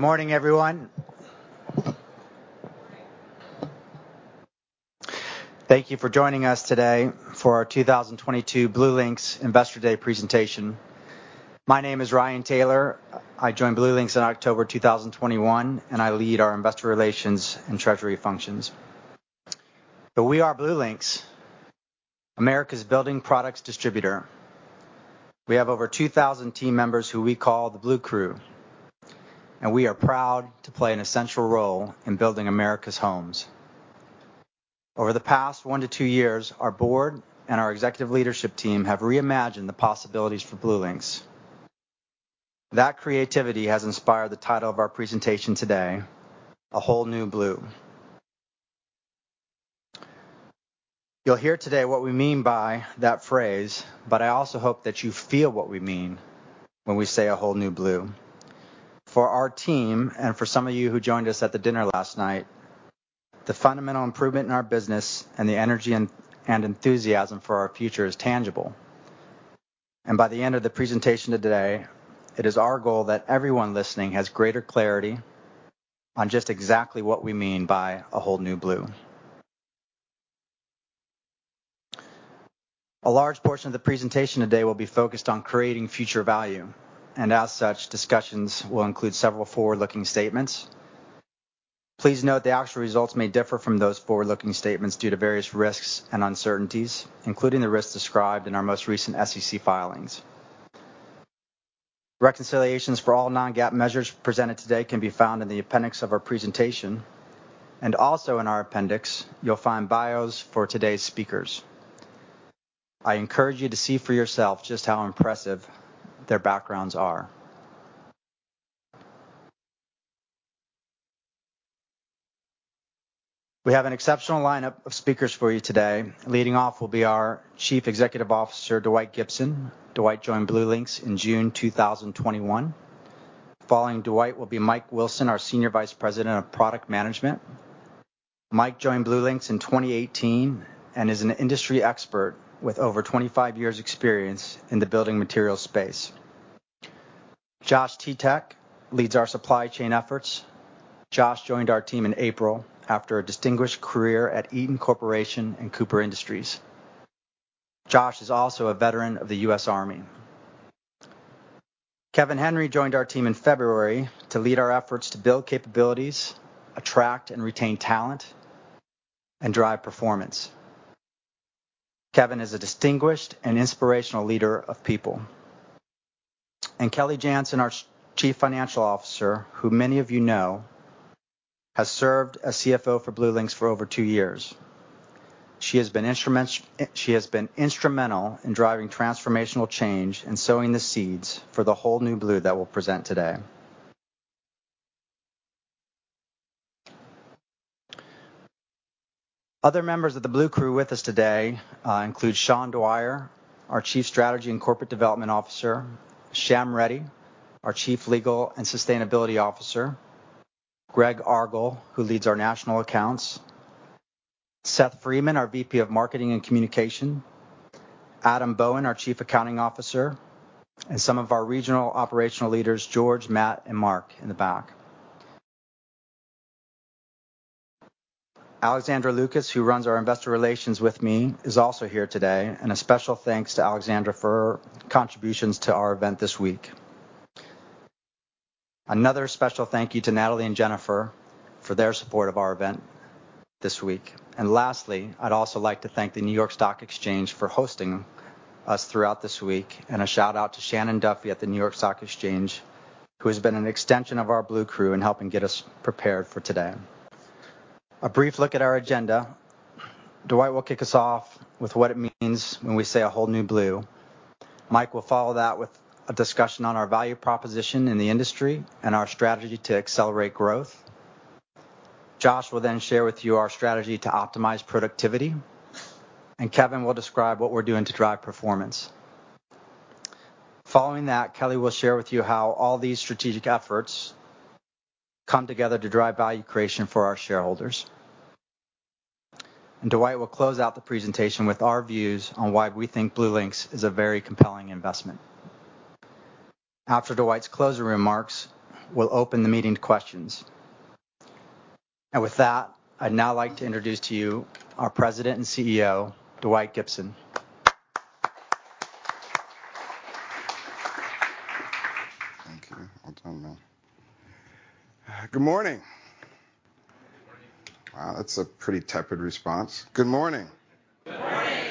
Good morning, everyone. Thank you for joining us today for our 2022 BlueLinx Investor Day presentation. My name is Ryan Taylor. I joined BlueLinx in October 2021, and I lead our investor relations and treasury functions. We are BlueLinx, America's building products distributor. We have over 2,000 team members who we call the Blue Crew, and we are proud to play an essential role in building America's homes. Over the past one to two years, our board and our executive leadership team have reimagined the possibilities for BlueLinx. That creativity has inspired the title of our presentation today, A Whole New Blue. You'll hear today what we mean by that phrase, but I also hope that you feel what we mean when we say A Whole New Blue. For our team and for some of you who joined us at the dinner last night, the fundamental improvement in our business and the energy and enthusiasm for our future is tangible. By the end of the presentation today, it is our goal that everyone listening has greater clarity on just exactly what we mean by A Whole New Blue. A large portion of the presentation today will be focused on creating future value, and as such, discussions will include several forward-looking statements. Please note the actual results may differ from those forward-looking statements due to various risks and uncertainties, including the risks described in our most recent SEC filings. Reconciliations for all non-GAAP measures presented today can be found in the appendix of our presentation. Also in our appendix you'll find bios for today's speakers. I encourage you to see for yourself just how impressive their backgrounds are. We have an exceptional lineup of speakers for you today. Leading off will be our Chief Executive Officer, Dwight Gibson. Dwight joined BlueLinx in June 2021. Following Dwight will be Mike Wilson, our Senior Vice President of Product Management. Mike joined BlueLinx in 2018 and is an industry expert with over 25 years experience in the building materials space. Josh Teteak leads our supply chain efforts. Josh joined our team in April after a distinguished career at Eaton Corporation and Cooper Industries. Josh is also a veteran of the U.S. Army. Kevin Henry joined our team in February to lead our efforts to build capabilities, attract and retain talent, and drive performance. Kevin is a distinguished and inspirational leader of people. Kelly Janzen, our Chief Financial Officer, who many of you know has served as CFO for BlueLinx for over two years. She has been instrumental in driving transformational change and sowing the seeds for the Whole New Blue that we'll present today. Other members of the Blue Crew with us today include Sean Dwyer, our Chief Strategy and Corporate Development Officer, Shyam Reddy, our Chief Legal and Sustainability Officer, Gregg Argall, who leads our national accounts, Seth Freeman, our VP of Marketing and Communications, Adam Bowen, our Chief Accounting Officer, and some of our regional operational leaders, George, Matt and Mark in the back. Alexandra Lucas, who runs our investor relations with me, is also here today, and a special thanks to Alexandra for her contributions to our event this week. Another special thank you to Natalie and Jennifer for their support of our event this week. Lastly, I'd also like to thank the New York Stock Exchange for hosting us throughout this week and a shout out to Shannon Duffy at the New York Stock Exchange, who has been an extension of our Blue Crew in helping get us prepared for today. A brief look at our agenda. Dwight will kick us off with what it means when we say A Whole New Blue. Mike will follow that with a discussion on our value proposition in the industry and our strategy to accelerate growth. Josh will then share with you our strategy to optimize productivity, and Kevin will describe what we're doing to drive performance. Following that, Kelly will share with you how all these strategic efforts come together to drive value creation for our shareholders. Dwight will close out the presentation with our views on why we think BlueLinx is a very compelling investment. After Dwight's closing remarks, we'll open the meeting to questions. With that, I'd now like to introduce to you our President and CEO, Dwight Gibson. Thank you. Well done, man. Good morning. Good morning. Wow, that's a pretty tepid response. Good morning. Good morning.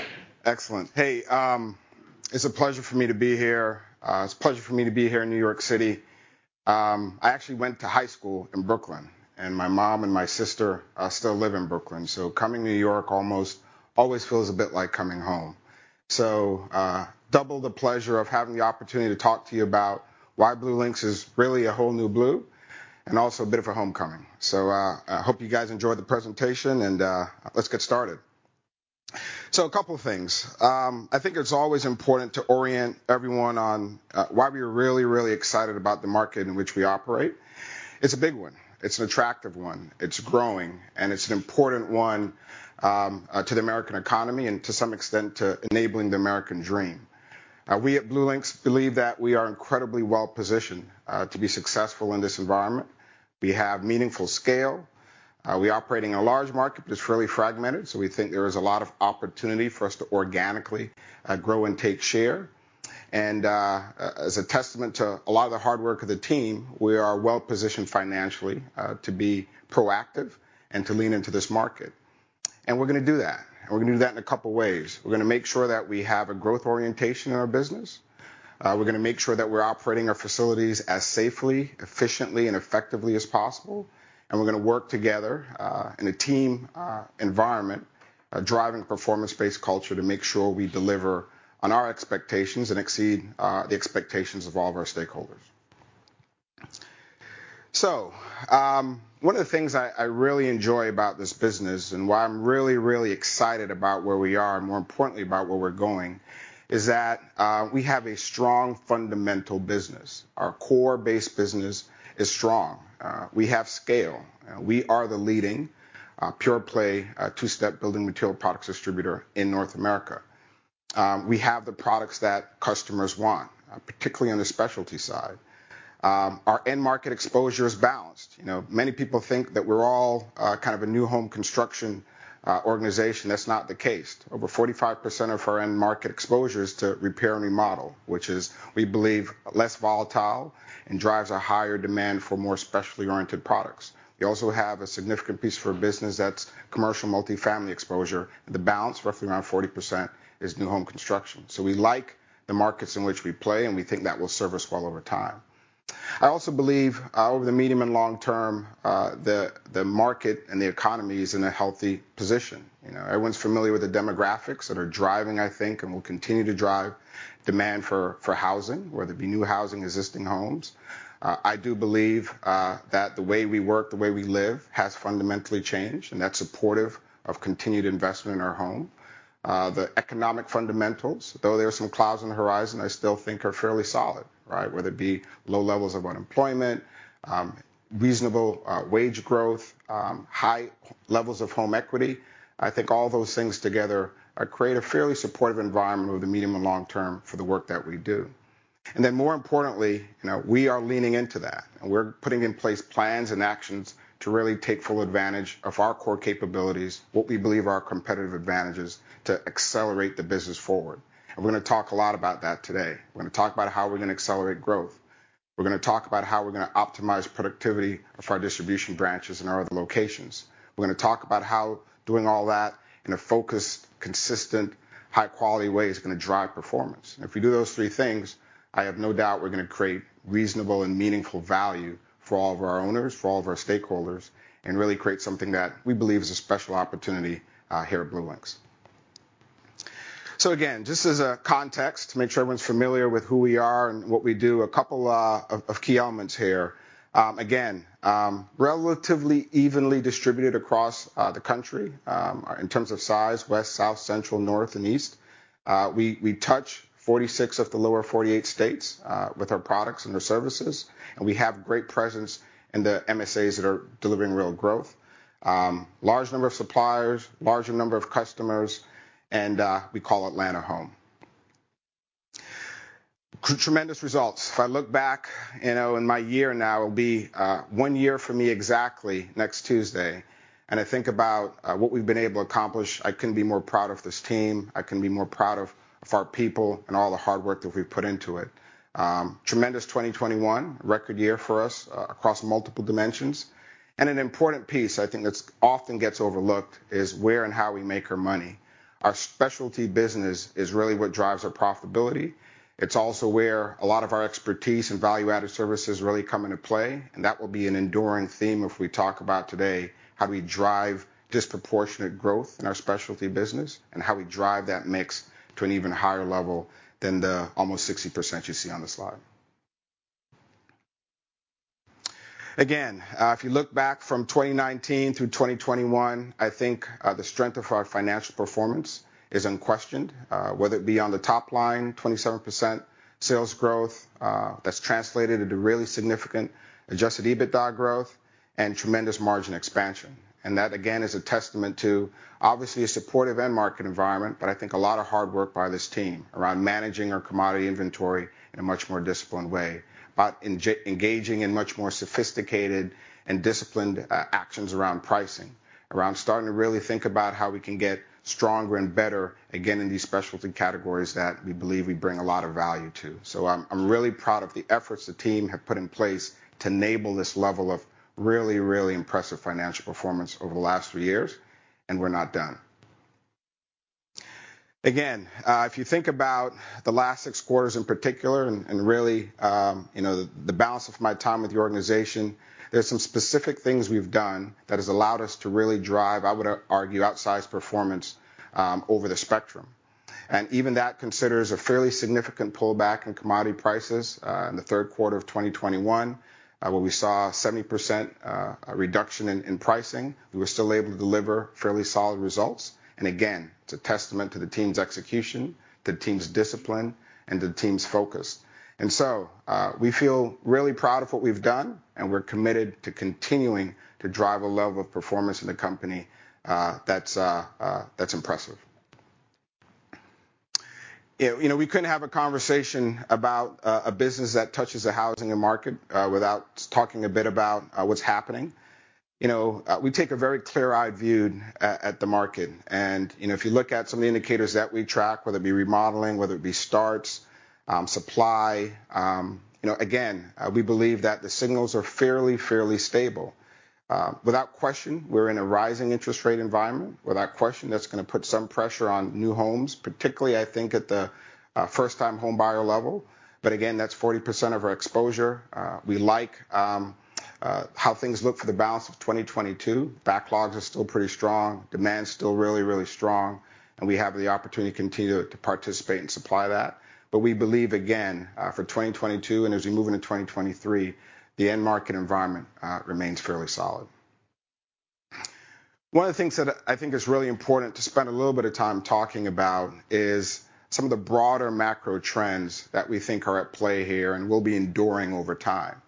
Excellent. Hey, it's a pleasure for me to be here in New York City. I actually went to high school in Brooklyn, and my mom and my sister still live in Brooklyn. Coming to New York almost always feels a bit like coming home. Double the pleasure of having the opportunity to talk to you about why BlueLinx is really A Whole New Blue and also a bit of a homecoming. I hope you guys enjoy the presentation and let's get started. A couple of things. I think it's always important to orient everyone on why we are really, really excited about the market in which we operate. It's a big one, it's an attractive one, it's growing, and it's an important one to the American economy and to some extent to enabling the American dream. We at BlueLinx believe that we are incredibly well-positioned to be successful in this environment. We have meaningful scale. We operate in a large market that's fairly fragmented, so we think there is a lot of opportunity for us to organically grow and take share. As a testament to a lot of the hard work of the team, we are well-positioned financially to be proactive and to lean into this market. We're gonna do that, and we're gonna do that in a couple ways. We're gonna make sure that we have a growth orientation in our business. We're gonna make sure that we're operating our facilities as safely, efficiently, and effectively as possible, and we're gonna work together in a team environment, a driving performance-based culture to make sure we deliver on our expectations and exceed the expectations of all of our stakeholders. One of the things I really enjoy about this business and why I'm really excited about where we are and more importantly about where we're going is that we have a strong fundamental business. Our core base business is strong. We have scale. We are the leading pure play two-step building products distributor in North America. We have the products that customers want, particularly on the specialty side. Our end market exposure is balanced. You know, many people think that we're all kind of a new home construction organization. That's not the case. Over 45% of our end market exposure is to repair and remodel, which is, we believe, less volatile and drives a higher demand for more specialty-oriented products. We also have a significant piece of our business that's commercial multifamily exposure. The balance, roughly around 40%, is new home construction. We like the markets in which we play, and we think that will serve us well over time. I also believe over the medium and long term the market and the economy is in a healthy position. You know, everyone's familiar with the demographics that are driving, I think, and will continue to drive demand for housing, whether it be new housing, existing homes. I do believe that the way we work, the way we live has fundamentally changed, and that's supportive of continued investment in our home. The economic fundamentals, though there are some clouds on the horizon, I still think are fairly solid, right? Whether it be low levels of unemployment, reasonable wage growth, high levels of home equity. I think all those things together create a fairly supportive environment over the medium and long term for the work that we do. Then more importantly, you know, we are leaning into that, and we're putting in place plans and actions to really take full advantage of our core capabilities, what we believe are our competitive advantages, to accelerate the business forward. We're gonna talk a lot about that today. We're gonna talk about how we're gonna accelerate growth. We're gonna talk about how we're gonna optimize productivity of our distribution branches in our other locations. We're gonna talk about how doing all that in a focused, consistent, high-quality way is gonna drive performance. If we do those three things, I have no doubt we're gonna create reasonable and meaningful value for all of our owners, for all of our stakeholders, and really create something that we believe is a special opportunity here at BlueLinx. Again, just as a context to make sure everyone's familiar with who we are and what we do, a couple of key elements here. Again, relatively evenly distributed across the country in terms of size, west, south, central, north, and east. We touch 46 of the lower 48 states with our products and our services, and we have great presence in the MSAs that are delivering real growth. Large number of suppliers, larger number of customers, and we call Atlanta home. Tremendous results. If I look back, you know, in my year now, it'll be one year for me exactly next Tuesday, and I think about what we've been able to accomplish, I couldn't be more proud of this team. I couldn't be more proud of our people and all the hard work that we've put into it. Tremendous 2021, record year for us across multiple dimensions. An important piece I think that's often gets overlooked is where and how we make our money. Our specialty business is really what drives our profitability. It's also where a lot of our expertise and value-added services really come into play, and that will be an enduring theme if we talk about today how we drive disproportionate growth in our specialty business and how we drive that mix to an even higher level than the almost 60% you see on the slide. Again, if you look back from 2019 through 2021, I think, the strength of our financial performance is unquestioned. Whether it be on the top line, 27% sales growth, that's translated into really significant adjusted EBITDA growth and tremendous margin expansion. That, again, is a testament to obviously a supportive end market environment, but I think a lot of hard work by this team around managing our commodity inventory in a much more disciplined way, about engaging in much more sophisticated and disciplined actions around pricing, around starting to really think about how we can get stronger and better again in these specialty categories that we believe we bring a lot of value to. I'm really proud of the efforts the team have put in place to enable this level of really, really impressive financial performance over the last three years, and we're not done. Again, if you think about the last six quarters in particular and really, you know, the balance of my time with the organization, there's some specific things we've done that has allowed us to really drive, I would argue, outsized performance over the spectrum. Even that considers a fairly significant pullback in commodity prices in the third quarter of 2021, where we saw 70% reduction in pricing. We were still able to deliver fairly solid results. Again, it's a testament to the team's execution, the team's discipline, and the team's focus. We feel really proud of what we've done, and we're committed to continuing to drive a level of performance in the company that's impressive. You know, we couldn't have a conversation about a business that touches the housing market without talking a bit about what's happening. You know, we take a very clear-eyed view of the market. You know, if you look at some of the indicators that we track, whether it be remodeling, whether it be starts, supply, you know, again, we believe that the signals are fairly stable. Without question, we're in a rising interest rate environment. Without question, that's gonna put some pressure on new homes, particularly I think at the first-time home buyer level. Again, that's 40% of our exposure. We like how things look for the balance of 2022. Backlogs are still pretty strong. Demand's still really, really strong, and we have the opportunity to continue to participate and supply that. We believe, again, for 2022 and as we move into 2023, the end market environment remains fairly solid. One of the things that I think is really important to spend a little bit of time talking about is some of the broader macro trends that we think are at play here and will be enduring over time.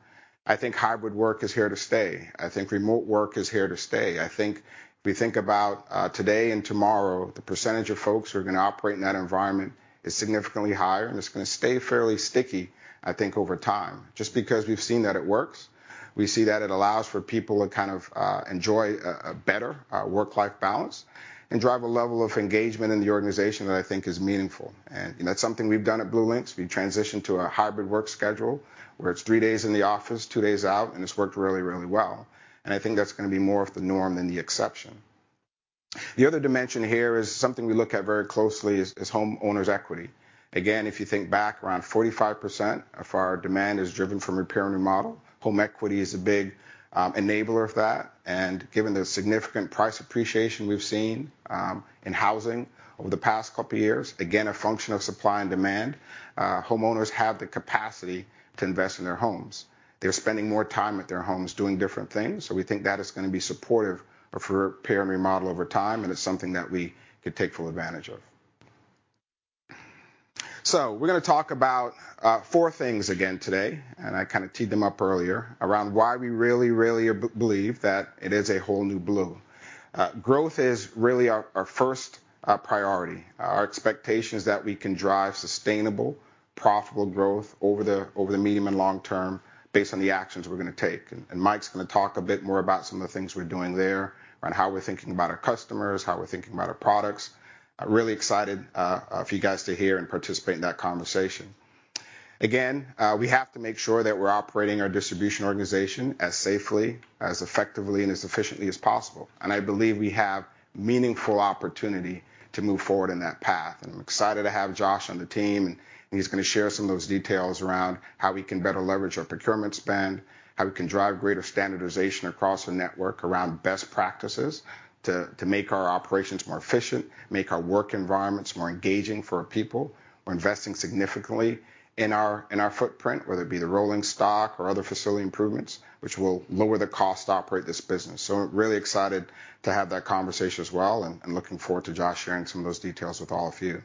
I think hybrid work is here to stay. I think remote work is here to stay. I think if we think about today and tomorrow, the percentage of folks who are gonna operate in that environment is significantly higher, and it's gonna stay fairly sticky, I think, over time, just because we've seen that it works. We see that it allows for people to kind of enjoy a better work-life balance and drive a level of engagement in the organization that I think is meaningful. You know, that's something we've done at BlueLinx. We transitioned to a hybrid work schedule, where it's three days in the office, two days out, and it's worked really, really well. I think that's gonna be more of the norm than the exception. The other dimension here is something we look at very closely is homeowner's equity. Again, if you think back, around 45% of our demand is driven from repair and remodel. Home equity is a big enabler of that, and given the significant price appreciation we've seen in housing over the past couple years, again, a function of supply and demand, homeowners have the capacity to invest in their homes. They're spending more time at their homes doing different things, so we think that is gonna be supportive of repair and remodel over time, and it's something that we could take full advantage of. We're gonna talk about four things again today, and I kinda teed them up earlier, around why we really, really believe that it is A Whole New Blue. Growth is really our first priority. Our expectation is that we can drive sustainable, profitable growth over the medium and long term based on the actions we're gonna take. Mike's gonna talk a bit more about some of the things we're doing there, around how we're thinking about our customers, how we're thinking about our products. I'm really excited for you guys to hear and participate in that conversation. Again, we have to make sure that we're operating our distribution organization as safely, as effectively, and as efficiently as possible, and I believe we have meaningful opportunity to move forward in that path. I'm excited to have Josh on the team, and he's gonna share some of those details around how we can better leverage our procurement spend, how we can drive greater standardization across our network around best practices to make our operations more efficient, make our work environments more engaging for our people. We're investing significantly in our footprint, whether it be the rolling stock or other facility improvements, which will lower the cost to operate this business. I'm really excited to have that conversation as well and looking forward to Josh sharing some of those details with all of you.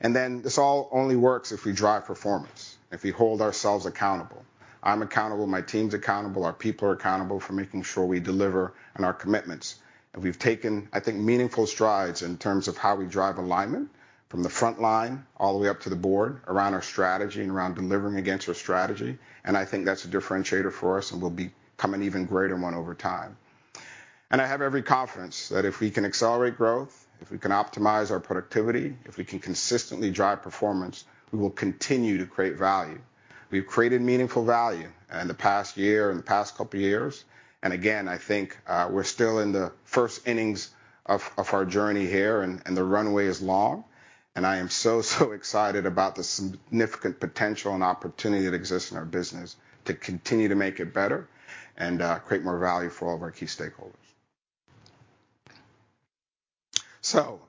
This all only works if we drive performance, if we hold ourselves accountable. I'm accountable, my team's accountable, our people are accountable for making sure we deliver on our commitments. We've taken, I think, meaningful strides in terms of how we drive alignment from the front line all the way up to the board around our strategy and around delivering against our strategy, and I think that's a differentiator for us and will become an even greater one over time. I have every confidence that if we can accelerate growth, if we can optimize our productivity, if we can consistently drive performance, we will continue to create value. We've created meaningful value in the past year, in the past couple years. Again, I think, we're still in the first innings of our journey here and the runway is long. I am so excited about the significant potential and opportunity that exists in our business to continue to make it better and create more value for all of our key stakeholders.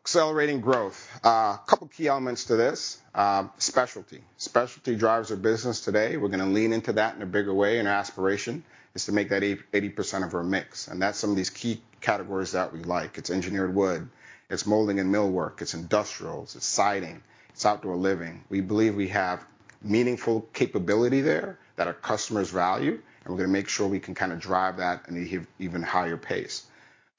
Accelerating growth, a couple key elements to this, specialty. Specialty drives our business today. We're gonna lean into that in a bigger way, and our aspiration is to make that 80% of our mix. That's some of these key categories that we like. It's engineered wood, it's molding and millwork, it's industrials, it's siding, it's outdoor living. We believe we have meaningful capability there that our customers value, and we're gonna make sure we can kinda drive that at an even higher pace.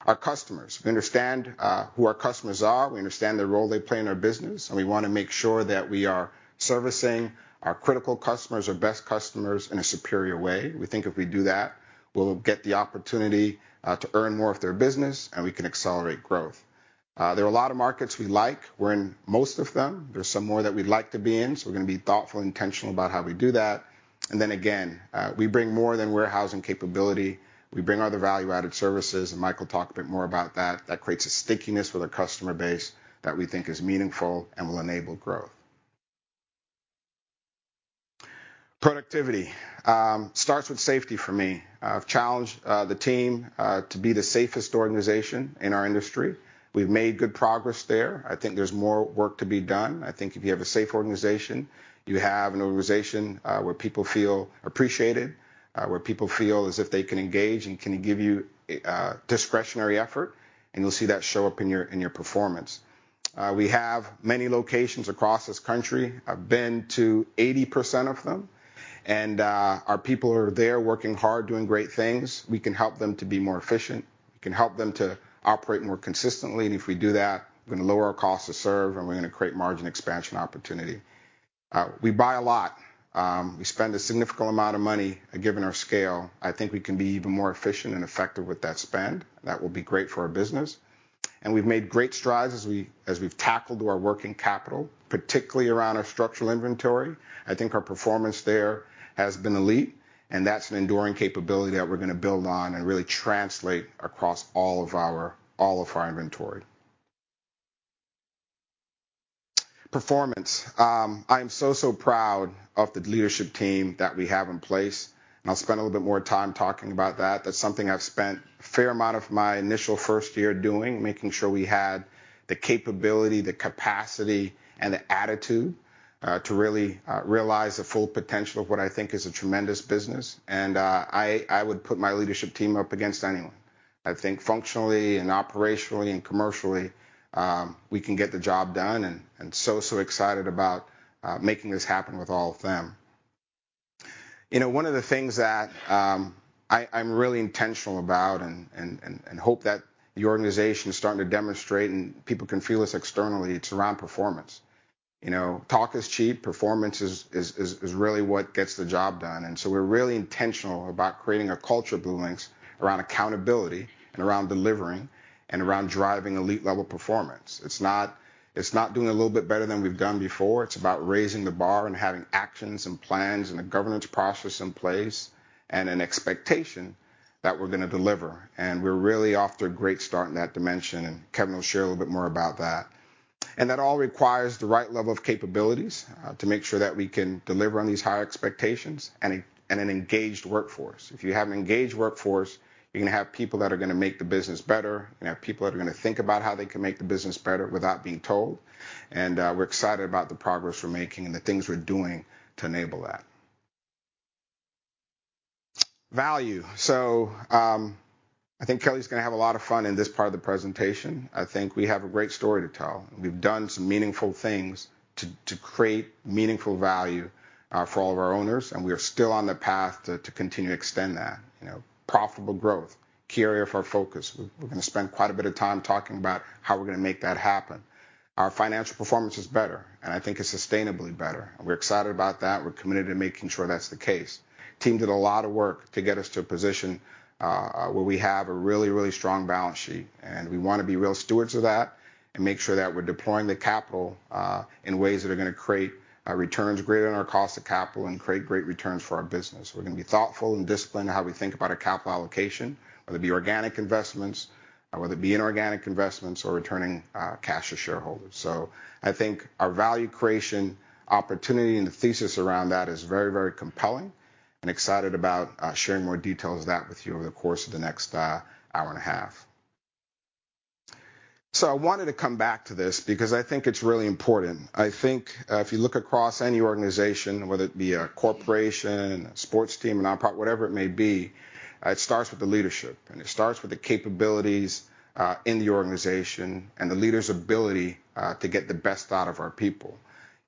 Our customers. We understand who our customers are, we understand the role they play in our business, and we wanna make sure that we are servicing our critical customers, our best customers, in a superior way. We think if we do that, we'll get the opportunity to earn more of their business, and we can accelerate growth. There are a lot of markets we like. We're in most of them. There's some more that we'd like to be in, so we're gonna be thoughtful and intentional about how we do that. We bring more than warehousing capability. We bring other value-added services, and Mike will talk a bit more about that. That creates a stickiness with our customer base that we think is meaningful and will enable growth. Productivity starts with safety for me. I've challenged the team to be the safest organization in our industry. We've made good progress there. I think there's more work to be done. I think if you have a safe organization, you have an organization where people feel appreciated, where people feel as if they can engage and can give you a discretionary effort, and you'll see that show up in your performance. We have many locations across this country. I've been to 80% of them. Our people are there working hard, doing great things. We can help them to be more efficient. We can help them to operate more consistently. If we do that, we're gonna lower our cost to serve, and we're gonna create margin expansion opportunity. We buy a lot. We spend a significant amount of money, given our scale. I think we can be even more efficient and effective with that spend. That will be great for our business. We've made great strides as we've tackled our working capital, particularly around our structural inventory. I think our performance there has been elite, and that's an enduring capability that we're gonna build on and really translate across all of our inventory performance. I am so proud of the leadership team that we have in place, and I'll spend a little bit more time talking about that. That's something I've spent a fair amount of my initial first year doing, making sure we had the capability, the capacity, and the attitude to really realize the full potential of what I think is a tremendous business, and I would put my leadership team up against anyone. I think functionally and operationally and commercially, we can get the job done and so excited about making this happen with all of them. You know, one of the things that I'm really intentional about and hope that the organization is starting to demonstrate and people can feel this externally, it's around performance. You know, talk is cheap. Performance is really what gets the job done. We're really intentional about creating a culture at BlueLinx around accountability and around delivering and around driving elite level performance. It's not doing a little bit better than we've done before. It's about raising the bar and having actions and plans and a governance process in place, and an expectation that we're gonna deliver. We're really off to a great start in that dimension, and Kevin will share a little bit more about that. That all requires the right level of capabilities to make sure that we can deliver on these high expectations and an engaged workforce. If you have an engaged workforce, you're gonna have people that are gonna make the business better. You're gonna have people that are gonna think about how they can make the business better without being told. We're excited about the progress we're making and the things we're doing to enable that. Value. I think Kelly's gonna have a lot of fun in this part of the presentation. I think we have a great story to tell. We've done some meaningful things to create meaningful value for all of our owners, and we are still on the path to continue to extend that. You know, profitable growth, key area for our focus. We're gonna make that happen. Our financial performance is better, and I think it's sustainably better. We're excited about that. We're committed to making sure that's the case. Team did a lot of work to get us to a position where we have a really strong balance sheet, and we wanna be real stewards of that and make sure that we're deploying the capital in ways that are gonna create returns greater than our cost of capital and create great returns for our business. We're gonna be thoughtful and disciplined in how we think about our capital allocation, whether it be organic investments or whether it be inorganic investments or returning, cash to shareholders. I think our value creation opportunity and the thesis around that is very, very compelling and excited about, sharing more details of that with you over the course of the next, hour and a half. I wanted to come back to this because I think it's really important. I think, if you look across any organization, whether it be a corporation, a sports team, a nonprofit, whatever it may be, it starts with the leadership, and it starts with the capabilities, in the organization and the leader's ability, to get the best out of our people.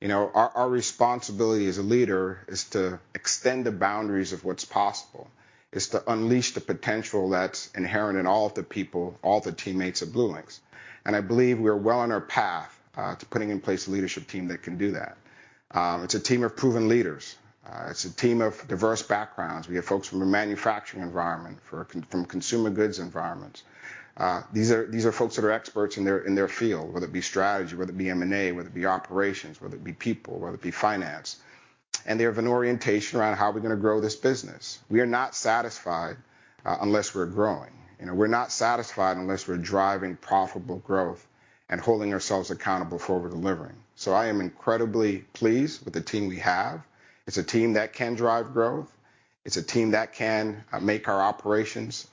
You know, our responsibility as a leader is to extend the boundaries of what's possible, is to unleash the potential that's inherent in all of the people, all the teammates at BlueLinx. I believe we are well on our path to putting in place a leadership team that can do that. It's a team of proven leaders. It's a team of diverse backgrounds. We have folks from a manufacturing environment, from consumer goods environments. These are folks that are experts in their field, whether it be strategy, whether it be M&A, whether it be operations, whether it be people, whether it be finance, and they have an orientation around how are we gonna grow this business? We are not satisfied unless we're growing. You know, we're not satisfied unless we're driving profitable growth and holding ourselves accountable for what we're delivering. I am incredibly pleased with the team we have. It's a team that can drive growth. It's a team that can make our operations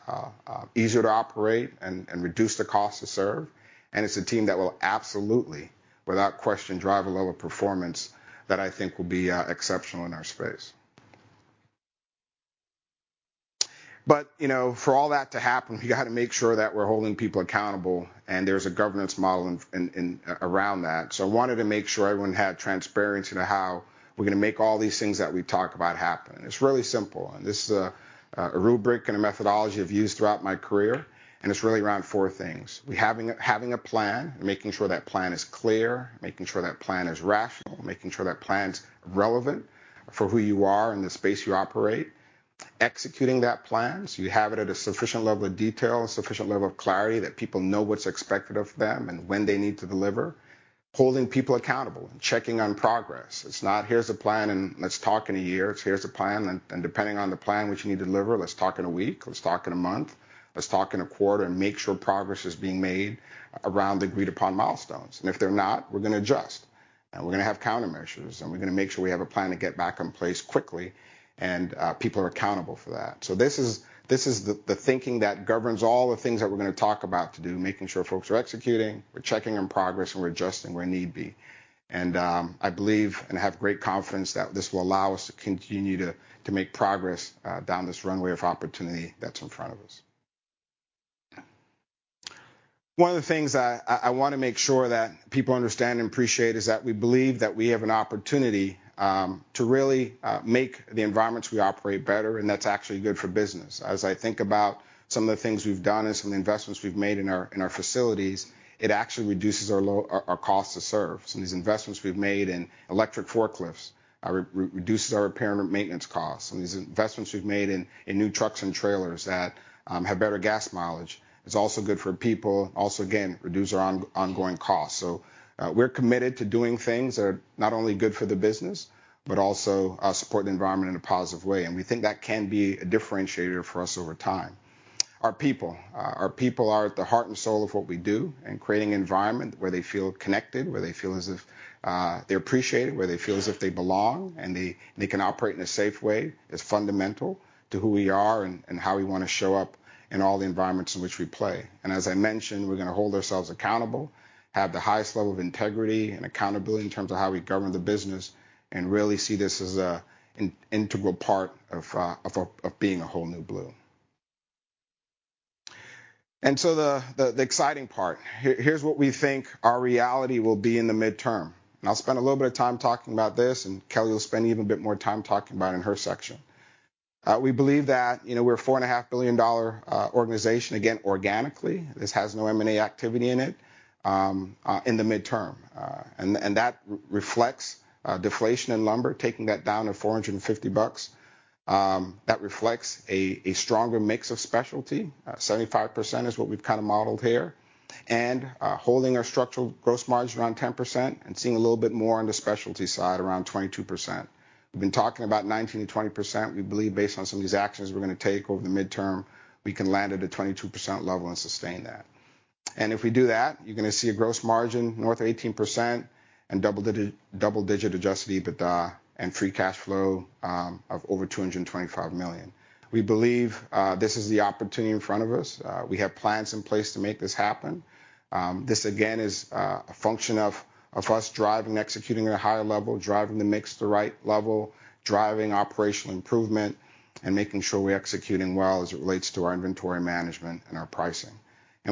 easier to operate and reduce the cost to serve. It's a team that will absolutely, without question, drive a level of performance that I think will be exceptional in our space. You know, for all that to happen, you gotta make sure that we're holding people accountable, and there's a governance model in around that. I wanted to make sure everyone had transparency to how we're gonna make all these things that we talk about happen. It's really simple, and this is a rubric and a methodology I've used throughout my career, and it's really around four things. We having a plan and making sure that plan is clear, making sure that plan is rational, making sure that plan's relevant for who you are and the space you operate. Executing that plan, so you have it at a sufficient level of detail, a sufficient level of clarity, that people know what's expected of them and when they need to deliver. Holding people accountable and checking on progress. It's not, "Here's a plan, and let's talk in a year." It's, "Here's a plan, and depending on the plan, what you need to deliver, let's talk in a week, let's talk in a month, let's talk in a quarter, and make sure progress is being made around agreed-upon milestones." If they're not, we're gonna adjust, and we're gonna have countermeasures, and we're gonna make sure we have a plan to get back in place quickly, and people are accountable for that. This is the thinking that governs all the things that we're gonna talk about to do, making sure folks are executing, we're checking on progress, and we're adjusting where need be. I believe and have great confidence that this will allow us to continue to make progress down this runway of opportunity that's in front of us. One of the things I wanna make sure that people understand and appreciate is that we believe that we have an opportunity to really make the environments we operate better, and that's actually good for business. As I think about some of the things we've done and some of the investments we've made in our facilities, it actually reduces our cost to serve. Some of these investments we've made in electric forklifts reduces our repair and maintenance costs. Some of these investments we've made in new trucks and trailers that have better gas mileage is also good for people, also, again, reduce our ongoing costs. We're committed to doing things that are not only good for the business, but also support the environment in a positive way, and we think that can be a differentiator for us over time. Our people. Our people are at the heart and soul of what we do, and creating an environment where they feel connected, where they feel as if they're appreciated, where they feel as if they belong, and they can operate in a safe way, is fundamental to who we are and how we wanna show up in all the environments in which we play. As I mentioned, we're gonna hold ourselves accountable, have the highest level of integrity and accountability in terms of how we govern the business, and really see this as an integral part of being A Whole New Blue. The exciting part. Here's what we think our reality will be in the midterm. I'll spend a little bit of time talking about this, and Kelly will spend even a bit more time talking about it in her section. We believe that, you know, we're a $4.5 billion organization, again, organically, this has no M&A activity in it, in the midterm. That reflects deflation in lumber, taking that down to $450. That reflects a stronger mix of specialty. 75% is what we've kinda modeled here. Holding our structural gross margin around 10% and seeing a little bit more on the specialty side, around 22%. We've been talking about 19%-20%. We believe based on some of these actions we're gonna take over the midterm, we can land at a 22% level and sustain that. If we do that, you're gonna see a gross margin north of 18% and double-digit adjusted EBITDA and free cash flow of over $225 million. We believe this is the opportunity in front of us. We have plans in place to make this happen. This again is a function of us driving and executing at a higher level, driving the mix to the right level, driving operational improvement, and making sure we're executing well as it relates to our inventory management and our pricing.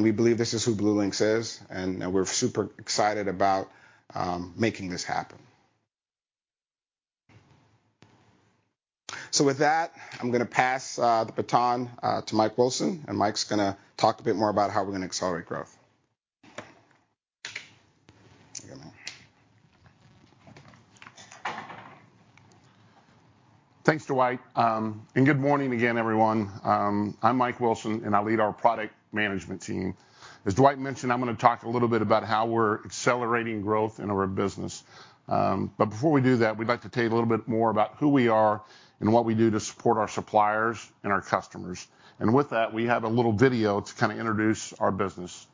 We believe this is who BlueLinx is, and you know, we're super excited about making this happen. With that, I'm gonna pass the baton to Mike Wilson, and Mike's gonna talk a bit more about how we're gonna accelerate growth. Here, man. Thanks, Dwight. Good morning again, everyone. I'm Mike Wilson, and I lead our product management team. As Dwight mentioned, I'm gonna talk a little bit about how we're accelerating growth in our business. Before we do that, we'd like to tell you a little bit more about who we are and what we do to support our suppliers and our customers. With that, we have a little video to kinda introduce our business.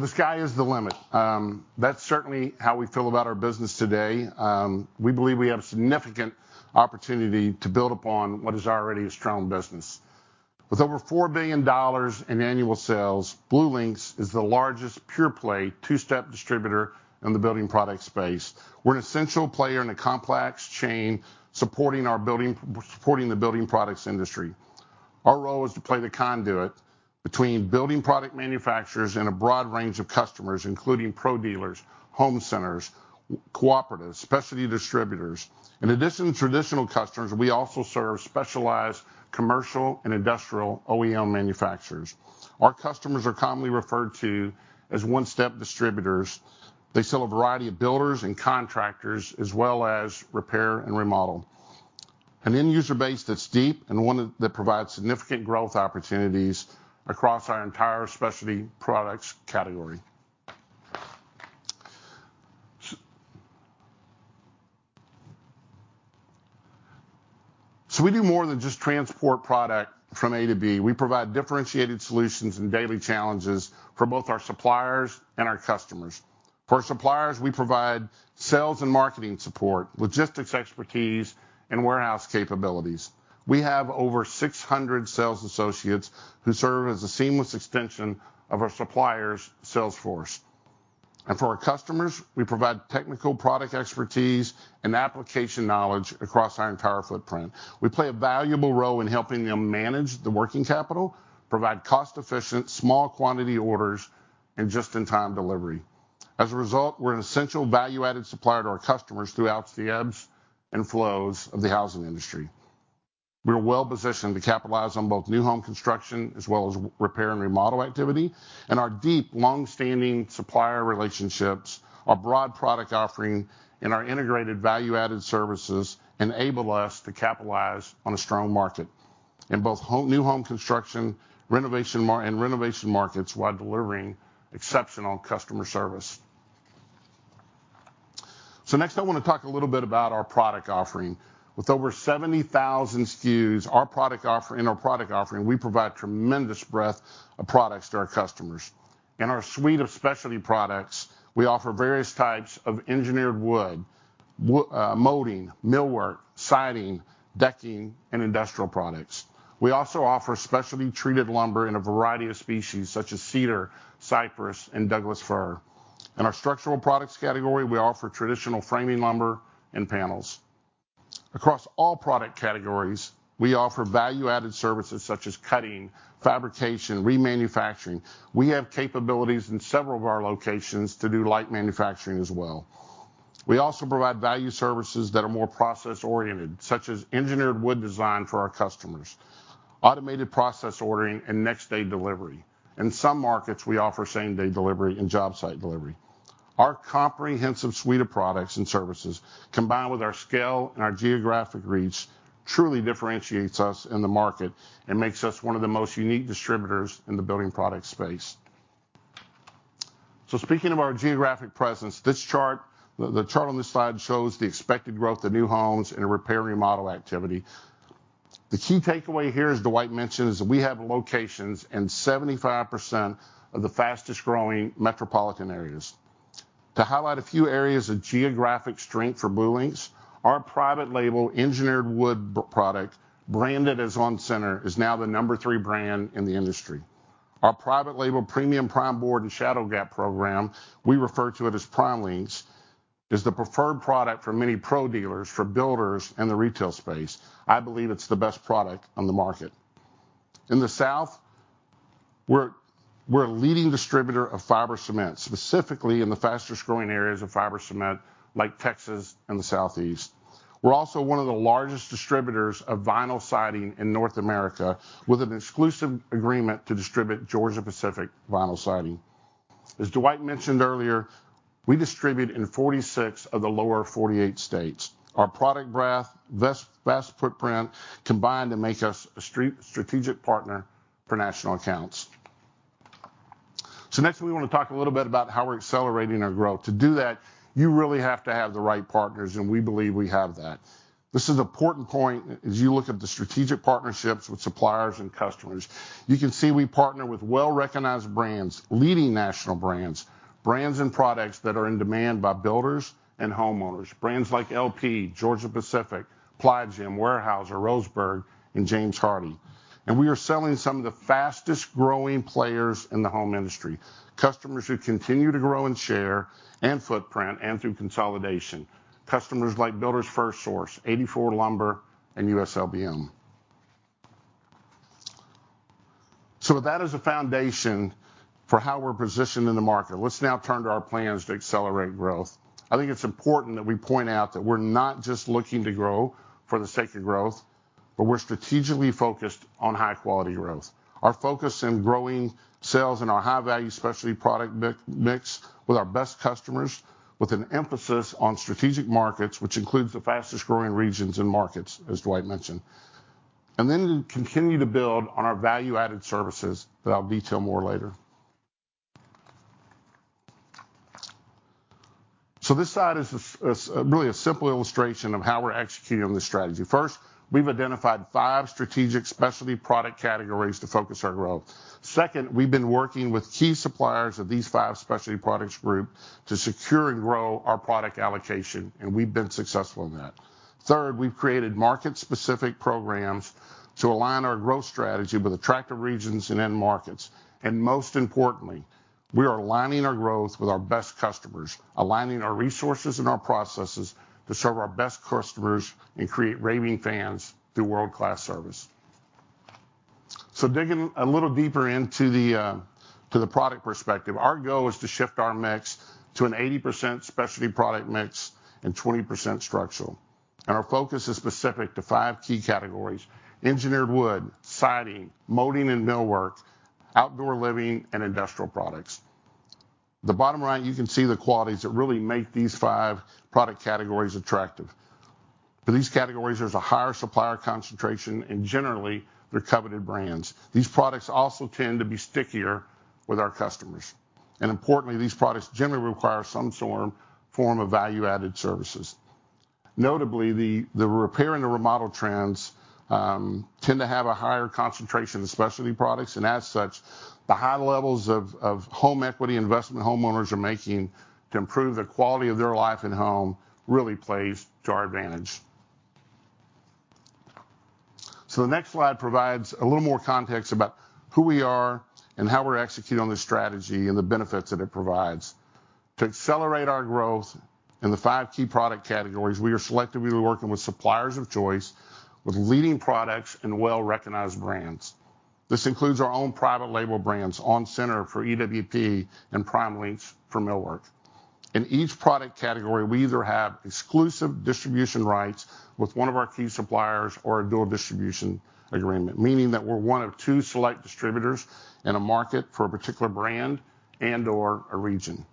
The sky is the limit. That's certainly how we feel about our business today. We believe we have a significant opportunity to build upon what is already a strong business. With over $4 billion in annual sales, BlueLinx is the largest pure-play, two-step distributor in the building product space. We're an essential player in a complex chain supporting the building products industry. Our role is to play the conduit between building product manufacturers and a broad range of customers, including pro dealers, home centers, cooperatives, specialty distributors. In addition to traditional customers, we also serve specialized commercial and industrial OEM manufacturers. Our customers are commonly referred to as one-step distributors. They sell a variety of builders and contractors, as well as repair and remodel. An end user base that's deep and one that provides significant growth opportunities across our entire specialty products category. We do more than just transport product from A to B. We provide differentiated solutions and daily challenges for both our suppliers and our customers. For our suppliers, we provide sales and marketing support, logistics expertise, and warehouse capabilities. We have over 600 sales associates who serve as a seamless extension of our suppliers' sales force. For our customers, we provide technical product expertise and application knowledge across our entire footprint. We play a valuable role in helping them manage the working capital, provide cost-efficient small quantity orders, and just-in-time delivery. As a result, we're an essential value-added supplier to our customers throughout the ebbs and flows of the housing industry. We are well-positioned to capitalize on both new home construction as well as repair and remodel activity, and our deep, long-standing supplier relationships, our broad product offering, and our integrated value-added services enable us to capitalize on a strong market in both new home construction and renovation markets while delivering exceptional customer service. Next, I wanna talk a little bit about our product offering. With over 70,000 SKUs in our product offering, we provide tremendous breadth of products to our customers. In our suite of specialty products, we offer various types of engineered wood, molding, millwork, siding, decking, and industrial products. We also offer specialty treated lumber in a variety of species such as cedar, cypress, and Douglas fir. In our structural products category, we offer traditional framing lumber and panels. Across all product categories, we offer value-added services such as cutting, fabrication, remanufacturing. We have capabilities in several of our locations to do light manufacturing as well. We also provide value services that are more process-oriented, such as engineered wood design for our customers, automated process ordering, and next-day delivery. In some markets, we offer same-day delivery and job site delivery. Our comprehensive suite of products and services, combined with our scale and our geographic reach, truly differentiates us in the market and makes us one of the most unique distributors in the building product space. Speaking of our geographic presence, this chart on this slide shows the expected growth of new homes and repair remodel activity. The key takeaway here, as Dwight mentioned, is that we have locations in 75% of the fastest-growing metropolitan areas. To highlight a few areas of geographic strength for BlueLinx, our private label engineered wood product, branded as onCENTER, is now the number three brand in the industry. Our private label premium PrimeBoard and ShadowGap program, we refer to it as PrimeLinx, is the preferred product for many pro dealers, for builders, and the retail space. I believe it's the best product on the market. In the South, we're a leading distributor of fiber cement, specifically in the faster-growing areas of fiber cement like Texas and the Southeast. We're also one of the largest distributors of vinyl siding in North America, with an exclusive agreement to distribute Georgia-Pacific vinyl siding. As Dwight mentioned earlier, we distribute in 46 of the lower 48 states. Our product breadth, vast footprint combine to make us a strategic partner for national accounts. Next, we wanna talk a little bit about how we're accelerating our growth. To do that, you really have to have the right partners, and we believe we have that. This is an important point as you look at the strategic partnerships with suppliers and customers. You can see we partner with well-recognized brands, leading national brands and products that are in demand by builders and homeowners, brands like LP, Georgia-Pacific, Ply Gem, Weyerhaeuser, Roseburg, and James Hardie. We are selling some of the fastest-growing players in the home industry, customers who continue to grow in share and footprint and through consolidation, customers like Builders FirstSource, 84 Lumber, and US LBM. With that as a foundation for how we're positioned in the market, let's now turn to our plans to accelerate growth. I think it's important that we point out that we're not just looking to grow for the sake of growth, but we're strategically focused on high-quality growth. Our focus in growing sales in our high-value specialty product mix with our best customers, with an emphasis on strategic markets, which includes the fastest-growing regions and markets, as Dwight mentioned. To continue to build on our value-added services that I'll detail more later. This slide is really a simple illustration of how we're executing on this strategy. First, we've identified five strategic specialty product categories to focus our growth. Second, we've been working with key suppliers of these five specialty products group to secure and grow our product allocation, and we've been successful in that. Third, we've created market-specific programs to align our growth strategy with attractive regions and end markets. Most importantly, we are aligning our growth with our best customers, aligning our resources and our processes to serve our best customers and create raving fans through world-class service. Digging a little deeper into the product perspective, our goal is to shift our mix to an 80% specialty product mix and 20% structural. Our focus is specific to five key categories, engineered wood, siding, molding and millwork, outdoor living, and industrial products. The bottom right, you can see the qualities that really make these five product categories attractive. For these categories, there's a higher supplier concentration, and generally, they're coveted brands. These products also tend to be stickier with our customers. Importantly, these products generally require some sort of value-added services. Notably, the repair and the remodel trends tend to have a higher concentration of specialty products, and as such, the high levels of home equity investment homeowners are making to improve the quality of their life and home really plays to our advantage. The next slide provides a little more context about who we are and how we're executing on this strategy and the benefits that it provides. To accelerate our growth in the five key product categories, we are selectively working with suppliers of choice with leading products and well-recognized brands. This includes our own private label brands, onCENTER for EWP and PrimeLinx for millwork. In each product category, we either have exclusive distribution rights with one of our key suppliers or a dual distribution agreement, meaning that we're one of two select distributors in a market for a particular brand and/or a region.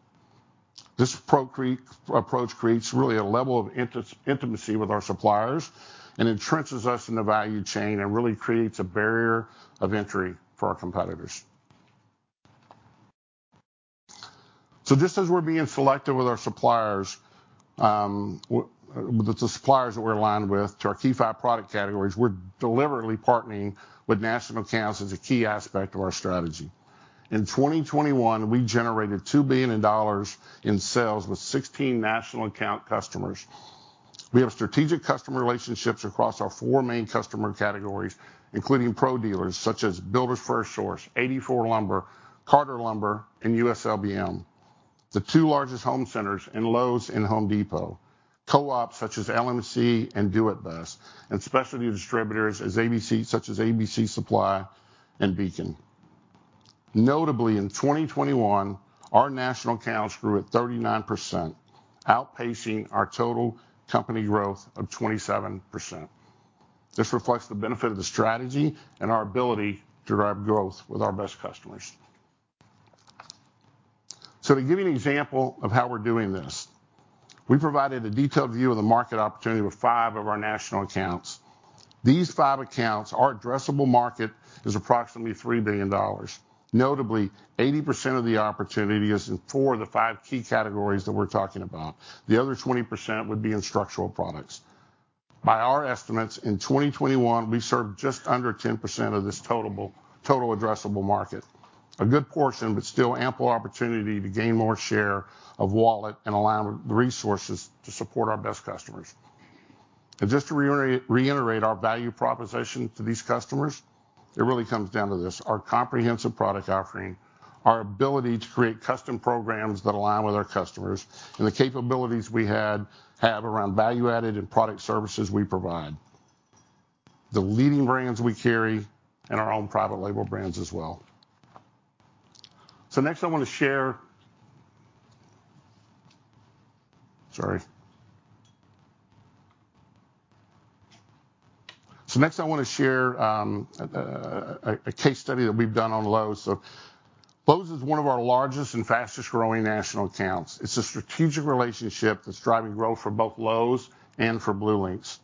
This approach creates really a level of intimacy with our suppliers and entrenches us in the value chain and really creates a barrier of entry for our competitors. Just as we're being selective with our suppliers, the suppliers that we're aligned with to our key five product categories, we're deliberately partnering with national accounts as a key aspect of our strategy. In 2021, we generated $2 billion in sales with 16 national account customers. We have strategic customer relationships across our four main customer categories, including pro dealers such as Builders FirstSource, 84 Lumber, Carter Lumber, and US LBM. The two largest home centers, Lowe's and Home Depot. Co-ops such as LMC and Do it Best, and specialty distributors such as ABC Supply and Beacon. Notably, in 2021, our national accounts grew at 39%, outpacing our total company growth of 27%. This reflects the benefit of the strategy and our ability to drive growth with our best customers. To give you an example of how we're doing this, we provided a detailed view of the market opportunity with five of our national accounts. These five accounts, our addressable market is approximately $3 billion. Notably, 80% of the opportunity is in four of the five key categories that we're talking about. The other 20% would be in structural products. By our estimates, in 2021, we served just under 10% of this total addressable market. A good portion, but still ample opportunity to gain more share of wallet and align with the resources to support our best customers. Just to reiterate our value proposition to these customers, it really comes down to this. Our comprehensive product offering, our ability to create custom programs that align with our customers, and the capabilities we have around value-added and product services we provide. The leading brands we carry and our own private label brands as well. Next, I wanna share a case study that we've done on Lowe's. Lowe's is one of our largest and fastest-growing national accounts. It's a strategic relationship that's driving growth for both Lowe's and for BlueLinx.